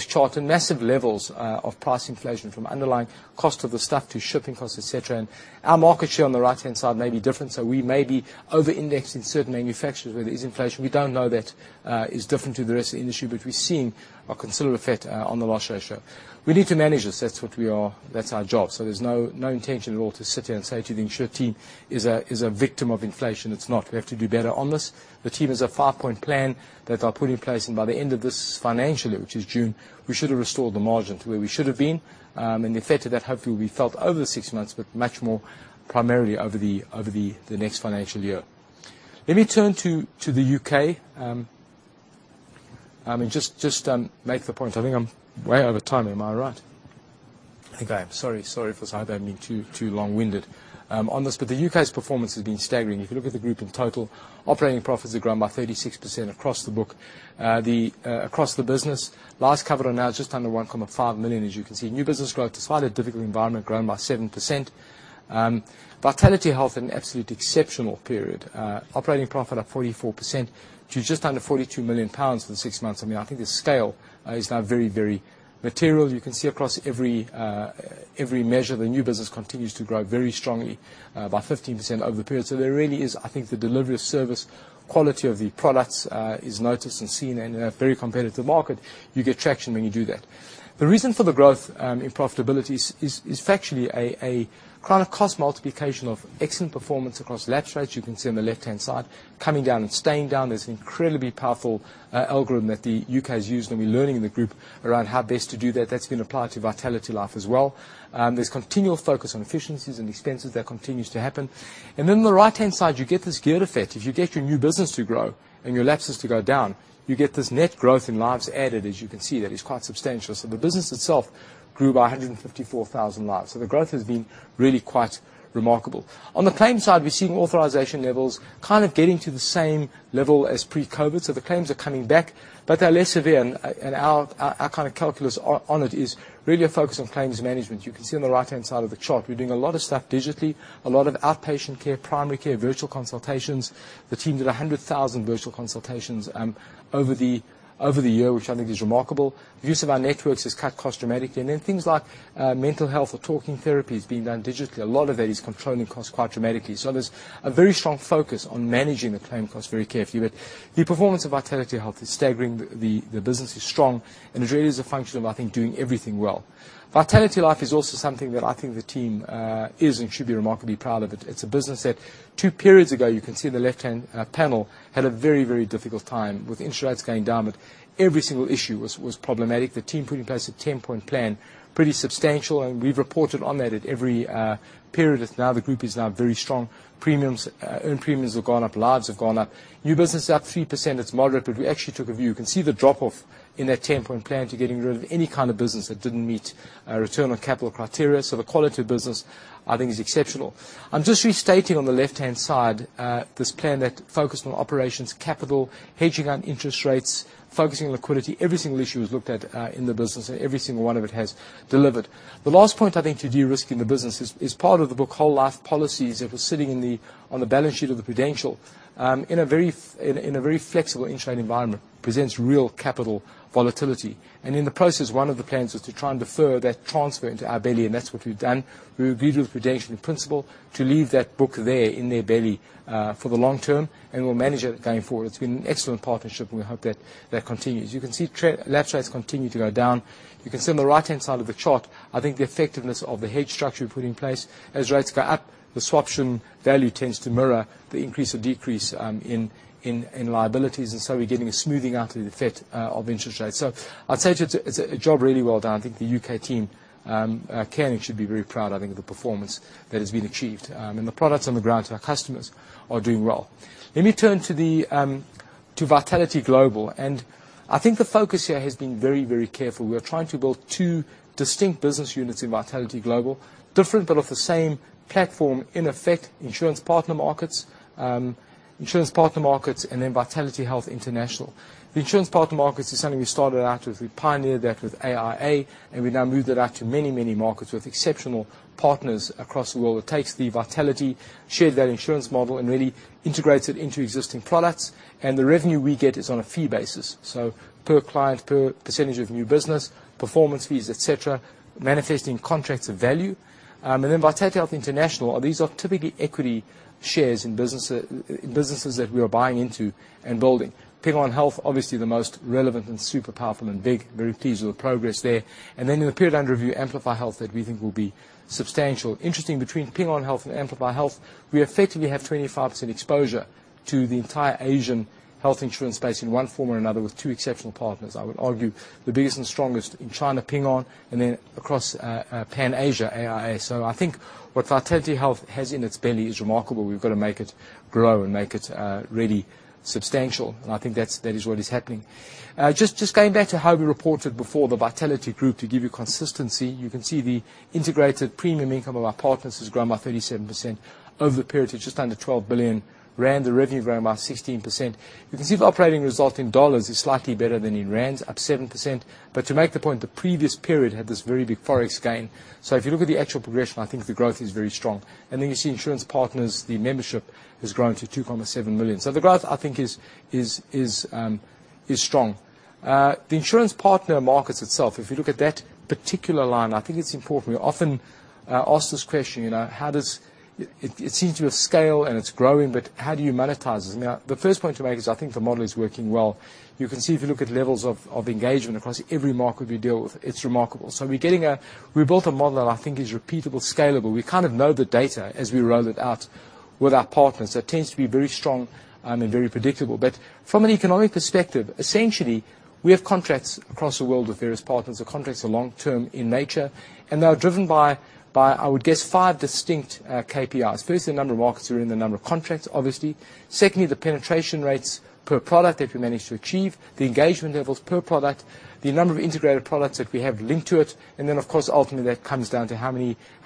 chart. Massive levels of price inflation from underlying cost of the stuff to shipping costs, et cetera. Our market share on the right-hand side may be different. We may be over-indexed in certain manufacturers where there is inflation. We don't know that it is different to the rest of the industry, but we're seeing a considerable effect on the loss ratio. We need to manage this. That's what we are. That's our job. There's no intention at all to sit here and say that the Insure team is a victim of inflation. It's not. We have to do better on this. The team has a five-point plan that they'll put in place. By the end of this financial year, which is June, we should have restored the margin to where we should have been. The effect of that hopefully will be felt over the six months, but much more primarily over the next financial year. Let me turn to the U.K. I mean, just make the point. I think I'm way over time. Am I right? I think I am. Sorry, Forsyth. I don't mean to be too long-winded on this. The U.K.'s performance has been staggering. If you look at the group in total, operating profits have grown by 36% across the book across the business. Lives covered now is just under 1.5 million, as you can see. New business growth, a slightly difficult environment, grown by 7%. Vitality Health had an absolute exceptional period. Operating profit up 44% to just under 42 million pounds in six months. I mean, I think the scale is now very, very material. You can see across every measure, the new business continues to grow very strongly by 15% over the period. So there really is. I think the delivery of service quality of the products is noticed and seen. In a very competitive market, you get traction when you do that. The reason for the growth in profitability is factually a kind of cost multiplication of excellent performance across lapse rates. You can see on the left-hand side, coming down and staying down. There's an incredibly powerful algorithm that the U.K. has used, and we're learning in the group around how best to do that. That's been applied to VitalityLife as well. There's continual focus on efficiencies and expenses. That continues to happen. On the right-hand side, you get this geared effect. If you get your new business to grow and your lapses to go down, you get this net growth in lives added, as you can see there. It's quite substantial. The business itself grew by 154,000 lives. The growth has been really quite remarkable. On the claims side, we're seeing authorization levels kind of getting to the same level as pre-COVID. The claims are coming back, but they're less severe. Our kind of calculus on it is really a focus on claims management. You can see on the right-hand side of the chart, we're doing a lot of stuff digitally, a lot of outpatient care, primary care, virtual consultations. The team did 100,000 virtual consultations over the year, which I think is remarkable. The use of our networks has cut costs dramatically. Then things like mental health or talking therapy is being done digitally. A lot of that is controlling costs quite dramatically. There's a very strong focus on managing the claim costs very carefully. The performance of Vitality Health is staggering. The business is strong, and it really is a function of, I think, doing everything well. VitalityLife is also something that I think the team is and should be remarkably proud of it. It's a business that two periods ago, you can see on the left-hand panel, had a very, very difficult time with interest rates going down. Every single issue was problematic. The team put in place a 10-point plan, pretty substantial, and we've reported on that at every period. Now the group is now very strong. Premiums, earned premiums have gone up, lives have gone up. New business is up 3%. It's moderate, but we actually took a view. You can see the drop-off in that 10-point plan to getting rid of any kind of business that didn't meet our return on capital criteria. The quality of business, I think, is exceptional. I'm just restating on the left-hand side this plan that focused on operations, capital, hedging on interest rates, focusing on liquidity. Every single issue was looked at in the business, and every single one of it has delivered. The last point, I think, to de-risk in the business is part of the book whole life policies that were sitting on the balance sheet of Prudential in a very flexible interest rate environment presents real capital volatility. In the process, one of the plans was to try and defer that transfer into our balance sheet, and that's what we've done. We agreed with Prudential in principle to leave that book there in their balance sheet for the long term, and we'll manage that going forward. It's been an excellent partnership, and we hope that that continues. You can see lapse rates continue to go down. You can see on the right-hand side of the chart, I think the effectiveness of the hedge structure we put in place. As rates go up, the swaption value tends to mirror the increase or decrease in liabilities. We're getting a smoothing out of the effect of interest rates. I'd say it's a job really well done. I think the UK team can and should be very proud, I think, of the performance that has been achieved. The products on the ground to our customers are doing well. Let me turn to Vitality Global. I think the focus here has been very, very careful. We are trying to build two distinct business units in Vitality Global. Different but of the same platform in effect, insurance partner markets. Insurance partner markets and then Vitality Health International. The insurance partner markets is something we started out with. We pioneered that with AIA, and we now moved it out to many, many markets with exceptional partners across the world. It takes the Vitality shared-value insurance model, and really integrates it into existing products. The revenue we get is on a fee basis, so per client, per percentage of new business, performance fees, et cetera, management contracts of value. Vitality Health International these are typically equity shares in businesses that we are buying into and building. Ping An Health, obviously the most relevant and super powerful and big. Very pleased with the progress there. In the period under review, Amplify Health that we think will be substantial. interesting between Ping An Health and Amplify Health, we effectively have 25% exposure to the entire Asian health insurance base in one form or another with two exceptional partners. I would argue the biggest and strongest in China, Ping An, and then across pan-Asia, AIA. I think what Vitality Health has in its belly is remarkable. We've got to make it grow and make it really substantial. I think that is what is happening. Just going back to how we reported before the Vitality Group to give you consistency. You can see the integrated premium income of our partners has grown by 37% over the period to just under 12 billion rand. The revenue grew by 16%. You can see the operating result in dollars is slightly better than in rands, up 7%. To make the point, the previous period had this very big Forex gain. If you look at the actual progression, I think the growth is very strong. Then you see insurance partner markets, the membership has grown to 2.7 million. The growth, I think, is strong. The insurance partner markets itself, if you look at that particular line, I think it's important. We often ask this question, how does it seem to have scale and it's growing, but how do you monetize this? The first point to make is I think the model is working well. You can see if you look at levels of engagement across every market we deal with, it's remarkable. We built a model that I think is repeatable, scalable. We kind of know the data as we roll it out with our partners. That tends to be very strong and very predictable. From an economic perspective, essentially, we have contracts across the world with various partners. The contracts are long term in nature, and they are driven by, I would guess, five distinct KPIs. First, the number of markets we're in, the number of contracts, obviously. Secondly, the penetration rates per product that we managed to achieve, the engagement levels per product, the number of integrated products that we have linked to it, and then of course, ultimately, that comes down to how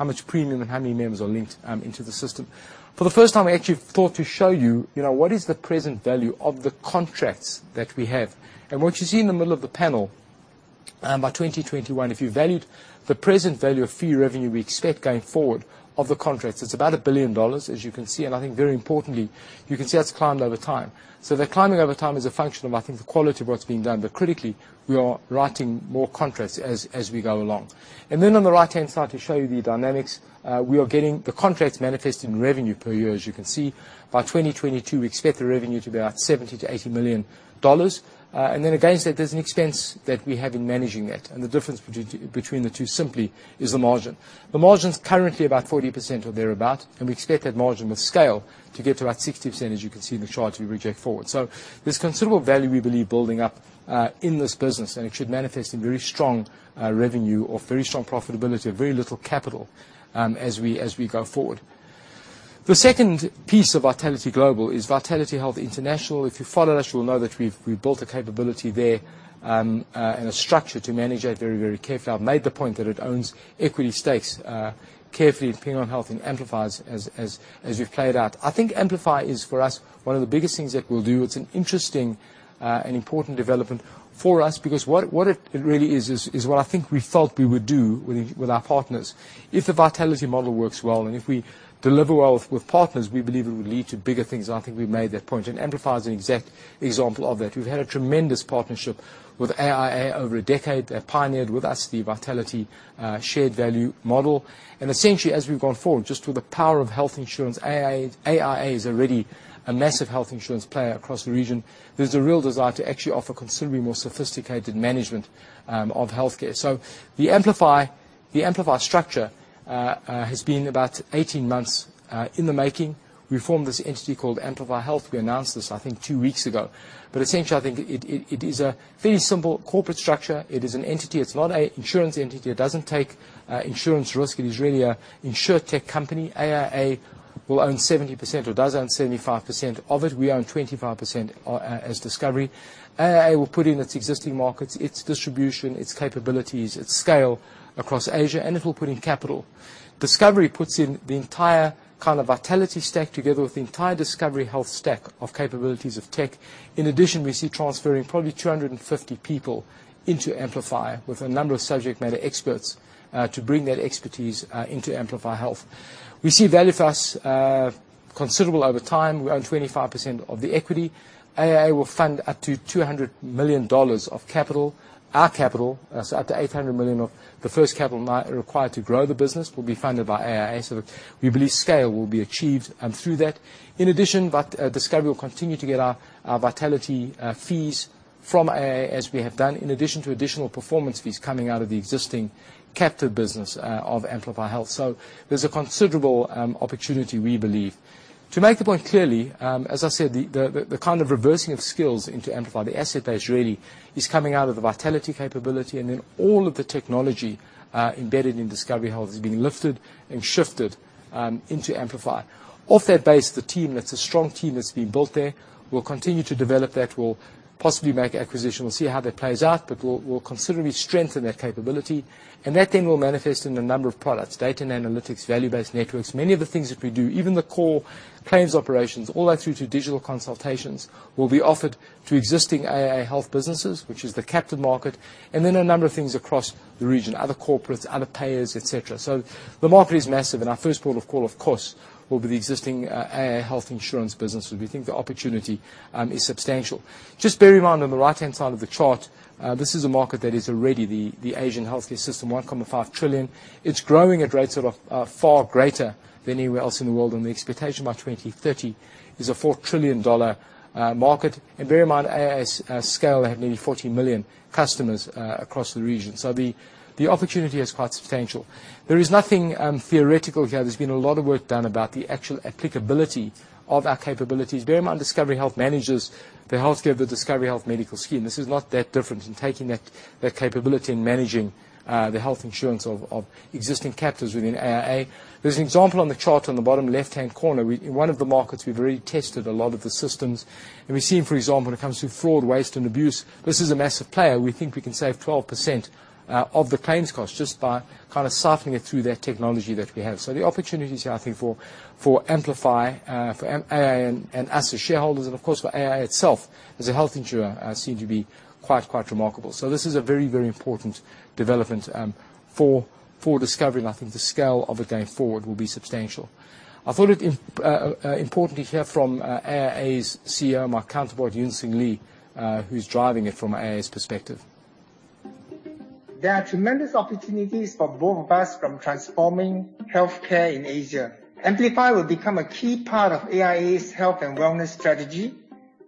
much premium and how many members are linked into the system. For the first time, I actually thought to show you know, what is the present value of the contracts that we have. What you see in the middle of the panel. By 2021, if you valued the present value of fee revenue we expect going forward of the contracts, it's about $1 billion, as you can see. I think very importantly, you can see that's climbed over time. The climbing over time is a function of, I think, the quality of what's being done. Critically, we are writing more contracts as we go along. Then on the right-hand side to show you the dynamics, we are getting the contracts manifest in revenue per year, as you can see. By 2022, we expect the revenue to be about $70 million to $80 million. Then against that, there's an expense that we have in managing that. The difference between the two simply is the margin. The margin's currently about 40% or thereabout, and we expect that margin with scale to get to about 60%, as you can see in the chart, as we project forward. There's considerable value, we believe, building up in this business, and it should manifest in very strong revenue or very strong profitability and very little capital, as we go forward. The second piece of Vitality Global is Vitality Health International. If you follow us, you will know that we've built a capability there and a structure to manage that very, very carefully. I've made the point that it owns equity stakes carefully in Ping An Health and Amplify's as we've played out. I think Amplify is, for us, one of the biggest things that we'll do. It's an interesting and important development for us because what it really is is what I think we thought we would do with our partners. If the Vitality model works well, and if we deliver well with partners, we believe it would lead to bigger things. I think we've made that point. Amplify is an exact example of that. We've had a tremendous partnership with AIA over a decade. They have pioneered with us the Vitality shared value model. Essentially, as we've gone forward, just with the power of health insurance, AIA is already a massive health insurance player across the region. There's a real desire to actually offer considerably more sophisticated management of healthcare. The Amplify structure has been about 18 months in the making. We formed this entity called Amplify Health. We announced this, I think, two weeks ago. Essentially, I think it is a very simple corporate structure. It is an entity. It's not an insurance entity. It doesn't take insurance risk. It is really an insurtech company. AIA will own 70% or does own 75% of it. We own 25% as Discovery. AIA will put in its existing markets, its distribution, its capabilities, its scale across Asia, and it will put in capital. Discovery puts in the entire kind of Vitality stack together with the entire Discovery Health stack of capabilities of tech. In addition, we see transferring probably 250 people into Amplify with a number of subject matter experts to bring that expertise into Amplify Health. We see considerable value for us over time. We own 25% of the equity. AIA will fund up to $200 million of capital. Our capital, so up to $800 million of the first capital required to grow the business, will be funded by AIA. We believe scale will be achieved through that. In addition, Discovery will continue to get our Vitality fees from AIA as we have done, in addition to additional performance fees coming out of the existing captive business of Amplify Health. There's a considerable opportunity we believe. To make the point clearly, as I said, the kind of reversing of skills into Amplify, the asset base really is coming out of the Vitality capability, and then all of the technology embedded in Discovery Health is being lifted and shifted into Amplify. Off that base, the team, that's a strong team that's been built there, will continue to develop that. We'll possibly make acquisitions. We'll see how that plays out, but we'll considerably strengthen that capability. That then will manifest in a number of products, data and analytics, value-based networks. Many of the things that we do, even the core claims operations, all that through to digital consultations, will be offered to existing AIA health businesses, which is the captive market, and then a number of things across the region, other corporates, other payers, et cetera. The market is massive, and our first port of call, of course, will be the existing AIA health insurance businesses. We think the opportunity is substantial. Just bear in mind on the right-hand side of the chart, this is a market that is already the Asian healthcare system, $1.5 trillion. It's growing at rates that are far greater than anywhere else in the world, and the expectation by 2030 is a $4 trillion market. Bear in mind, AIA's scale, they have nearly 40 million customers across the region. The opportunity is quite substantial. There is nothing theoretical here. There's been a lot of work done about the actual applicability of our capabilities. Bear in mind, Discovery Health manages the healthcare the Discovery Health medical scheme. This is not that different than taking that capability and managing the health insurance of existing captives within AIA. There's an example on the chart on the bottom left-hand corner. In one of the markets, we've already tested a lot of the systems. We've seen, for example, when it comes to fraud, waste, and abuse, this is a massive player. We think we can save 12% of the claims cost just by kind of sifting it through that technology that we have. The opportunities here, I think, for Amplify, for AIA and us as shareholders and, of course, for AIA itself as a health insurer are seen to be quite remarkable. This is a very important development for Discovery, and I think the scale of it going forward will be substantial. I thought it important to hear from AIA's CEO, my counterpart, Lee Yuan Siong, who's driving it from AIA's perspective. There are tremendous opportunities for both of us from transforming healthcare in Asia. Amplify will become a key part of AIA's health and wellness strategy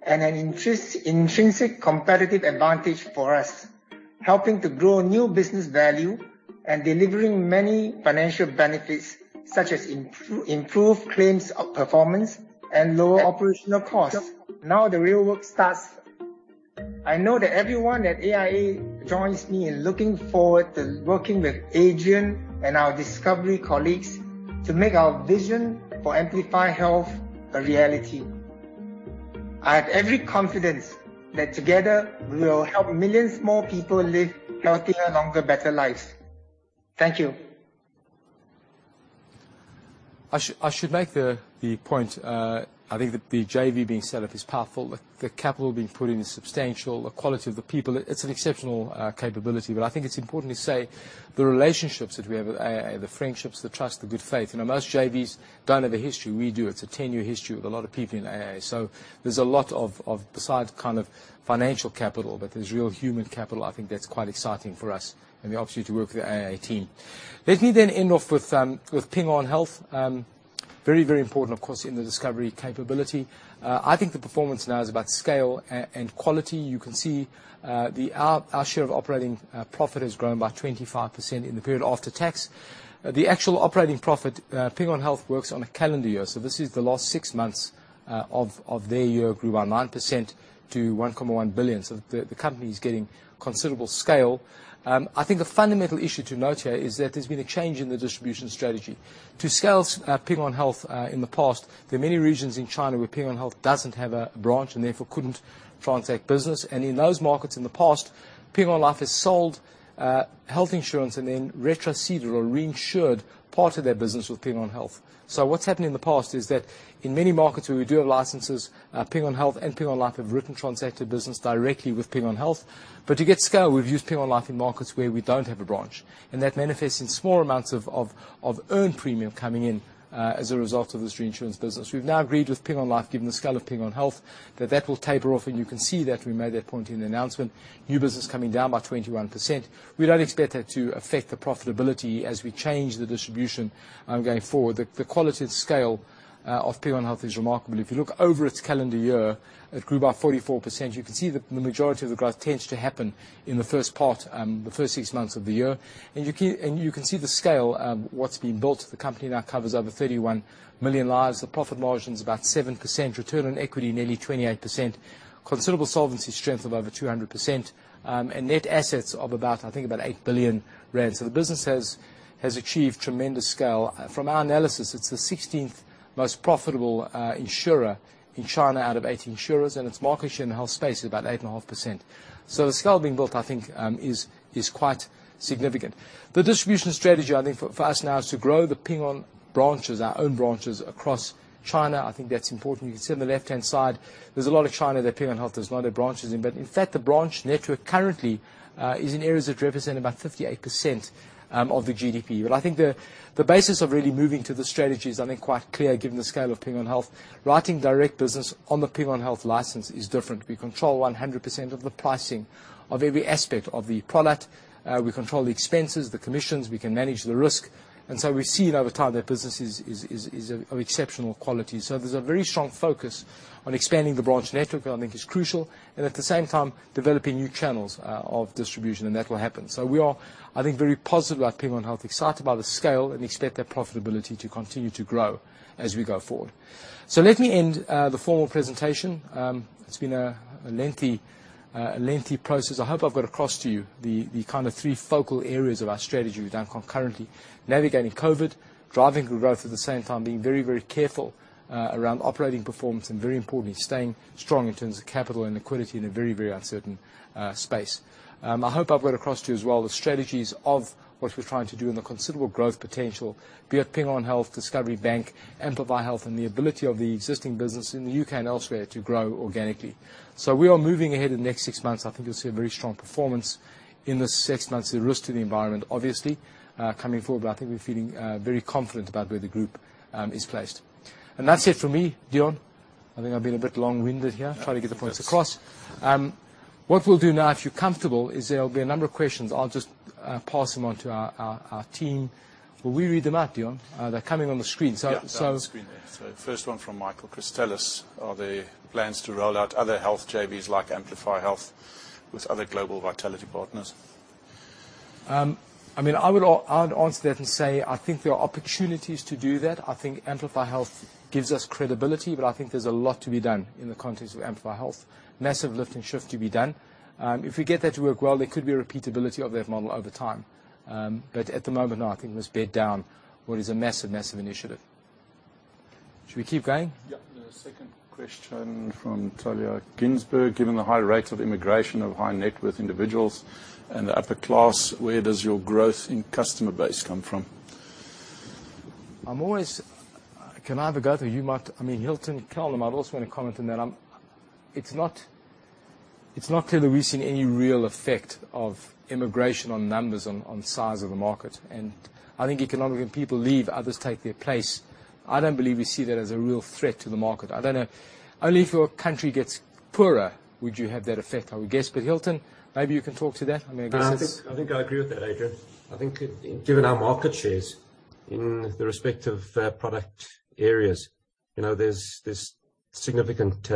and an intrinsic competitive advantage for us, helping to grow new business value and delivering many financial benefits such as improved claims performance and lower operational costs. Now the real work starts. I know that everyone at AIA joins me in looking forward to working with Adrian and our Discovery colleagues to make our vision for Amplify Health a reality. I have every confidence that together we will help millions more people live healthier, longer, better lives. Thank you. I should make the point, I think that the JV being set up is powerful. The capital being put in is substantial. The quality of the people, it's an exceptional capability. I think it's important to say the relationships that we have with AIA, the friendships, the trust, the good faith. You know, most JVs don't have a history. We do. It's a 10-year history with a lot of people in AIA. There's a lot of besides kind of financial capital, but there's real human capital. I think that's quite exciting for us and the opportunity to work with the AIA team. Let me end off with Ping An Health. Very, very important, of course, in the Discovery capability. I think the performance now is about scale and quality. You can see the Our share of operating profit has grown by 25% in the period after tax. The actual operating profit, Ping An Health works on a calendar year. This is the last six months of their year. It grew by 9% to 1.1 billion. The company is getting considerable scale. I think the fundamental issue to note here is that there's been a change in the distribution strategy. To scale Ping An Health, in the past, there are many regions in China where Ping An Health doesn't have a branch and therefore couldn't transact business. In those markets in the past, Ping An Life has sold health insurance and then retroceded or reinsured part of their business with Ping An Health. What's happened in the past is that in many markets where we do have licenses, Ping An Health and Ping An Life have written and transacted business directly with Ping An Health. To get scale, we've used Ping An Life in markets where we don't have a branch, and that manifests in small amounts of earned premium coming in as a result of this reinsurance business. We've now agreed with Ping An Life, given the scale of Ping An Health, that will taper off, and you can see that we made that point in the announcement. New business coming down by 21%. We don't expect that to affect the profitability as we change the distribution going forward. The quality and scale of Ping An Health is remarkable. If you look over its calendar year, it grew by 44%. You can see the majority of the growth tends to happen in the first six months of the year. You can see the scale, what's been built. The company now covers over 31 million lives. The profit margin's about 7%. Return on equity nearly 28%. Considerable solvency strength of over 200%. Net assets of about 8, I think, 8 billion rand. The business has achieved tremendous scale. From our analysis, it's the 16th most profitable insurer in China out of eight insurers, and its market share in the health space is about 8.5%. The scale being built, I think, is quite significant. The distribution strategy, I think for us now is to grow the Ping An branches, our own branches across China. I think that's important. You can see on the left-hand side, there's a lot of China that Ping An Health does not have branches in, but in fact, the branch network currently is in areas that represent about 58% of the GDP. I think the basis of really moving to the strategy is, I think, quite clear given the scale of Ping An Health. Writing direct business on the Ping An Health license is different. We control 100% of the pricing of every aspect of the product. We control the expenses, the commissions. We can manage the risk. We've seen over time that business is of exceptional quality. There's a very strong focus on expanding the branch network. I think it's crucial. At the same time, developing new channels of distribution, and that will happen. We are, I think, very positive about Ping An Health, excited by the scale, and expect that profitability to continue to grow as we go forward. Let me end the formal presentation. It's been a lengthy process. I hope I've got across to you the kind of three focal areas of our strategy. We've done concurrently navigating COVID, driving good growth, at the same time, being very, very careful around operating performance, and very importantly, staying strong in terms of capital and liquidity in a very, very uncertain space. I hope I've got across to you as well the strategies of what we're trying to do and the considerable growth potential, be it Ping An Health, Discovery Bank, Amplify Health, and the ability of the existing business in the U.K. and elsewhere to grow organically. We are moving ahead in the next six months. I think you'll see a very strong performance in the six months. There's risk to the environment, obviously, coming forward, but I think we're feeling very confident about where the group is placed. That's it for me, Dion. I think I've been a bit long-winded here. Yeah. Trying to get the points across. What we'll do now, if you're comfortable, is there will be a number of questions. I'll just pass them on to our team. Will we read them out, Dion? They're coming on the screen. Yeah, they're on the screen there. So first one from Michael Christelis. Are there plans to roll out other health JVs like Amplify Health with other global Vitality partners? I mean, I would answer that and say I think there are opportunities to do that. I think Amplify Health gives us credibility, but I think there's a lot to be done in the context of Amplify Health, massive lift and shift to be done. If we get that to work well, there could be repeatability of that model over time. But at the moment, no, I think let's bed down what is a massive initiative. Should we keep going? Yeah. The second question from Talia Gihl: Given the high rates of immigration of high net worth individuals and the upper class, where does your growth in customer base come from? I mean, Hilton, Calum, I'd also want to comment on that. It's not clear that we've seen any real effect of immigration on numbers, on size of the market. I think economically, when people leave, others take their place. I don't believe we see that as a real threat to the market. I don't know. Only if your country gets poorer would you have that effect, I would guess. Hilton, maybe you can talk to that. I mean, I guess it's I think I agree with that, Adrian. I think given our market shares in the respective product areas, you know, there's significant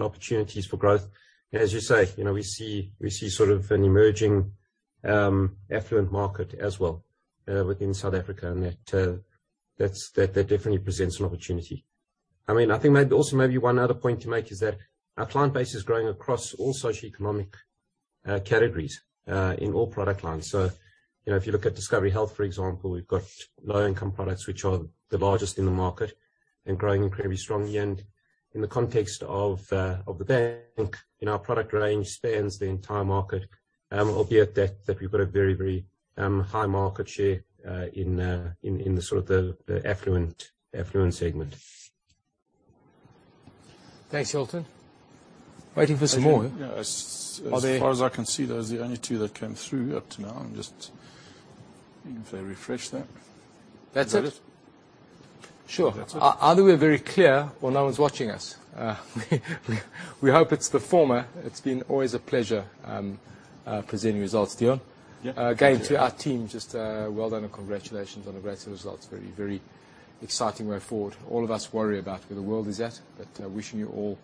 opportunities for growth. And as you say, you know, we see sort of an emerging affluent market as well within South Africa. And that definitely presents an opportunity. I mean, I think maybe one other point to make is that our client base is growing across all socioeconomic categories in all product lines. So, you know, if you look at Discovery Health, for example, we've got low income products, which are the largest in the market and growing incredibly strongly. And in the context of the bank, you know, our product range spans the entire market. Albeit that we've got a very high market share in the sort of affluent segment. Thanks, Hilton. Waiting for some more. Adrian. Are there, As far as I can see, those are the only two that came through up to now. If I refresh that. That's it? That it? Sure. That's it. Are we very clear when no one's watching us? We hope it's the former. It's been always a pleasure presenting results, Dion. Yeah. Again, to our team, just, well done and congratulations on the great results. Very, very exciting way forward. All of us worry about where the world is at, but, wishing you all,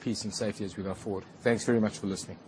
peace and safety as we go forward. Thanks very much for listening.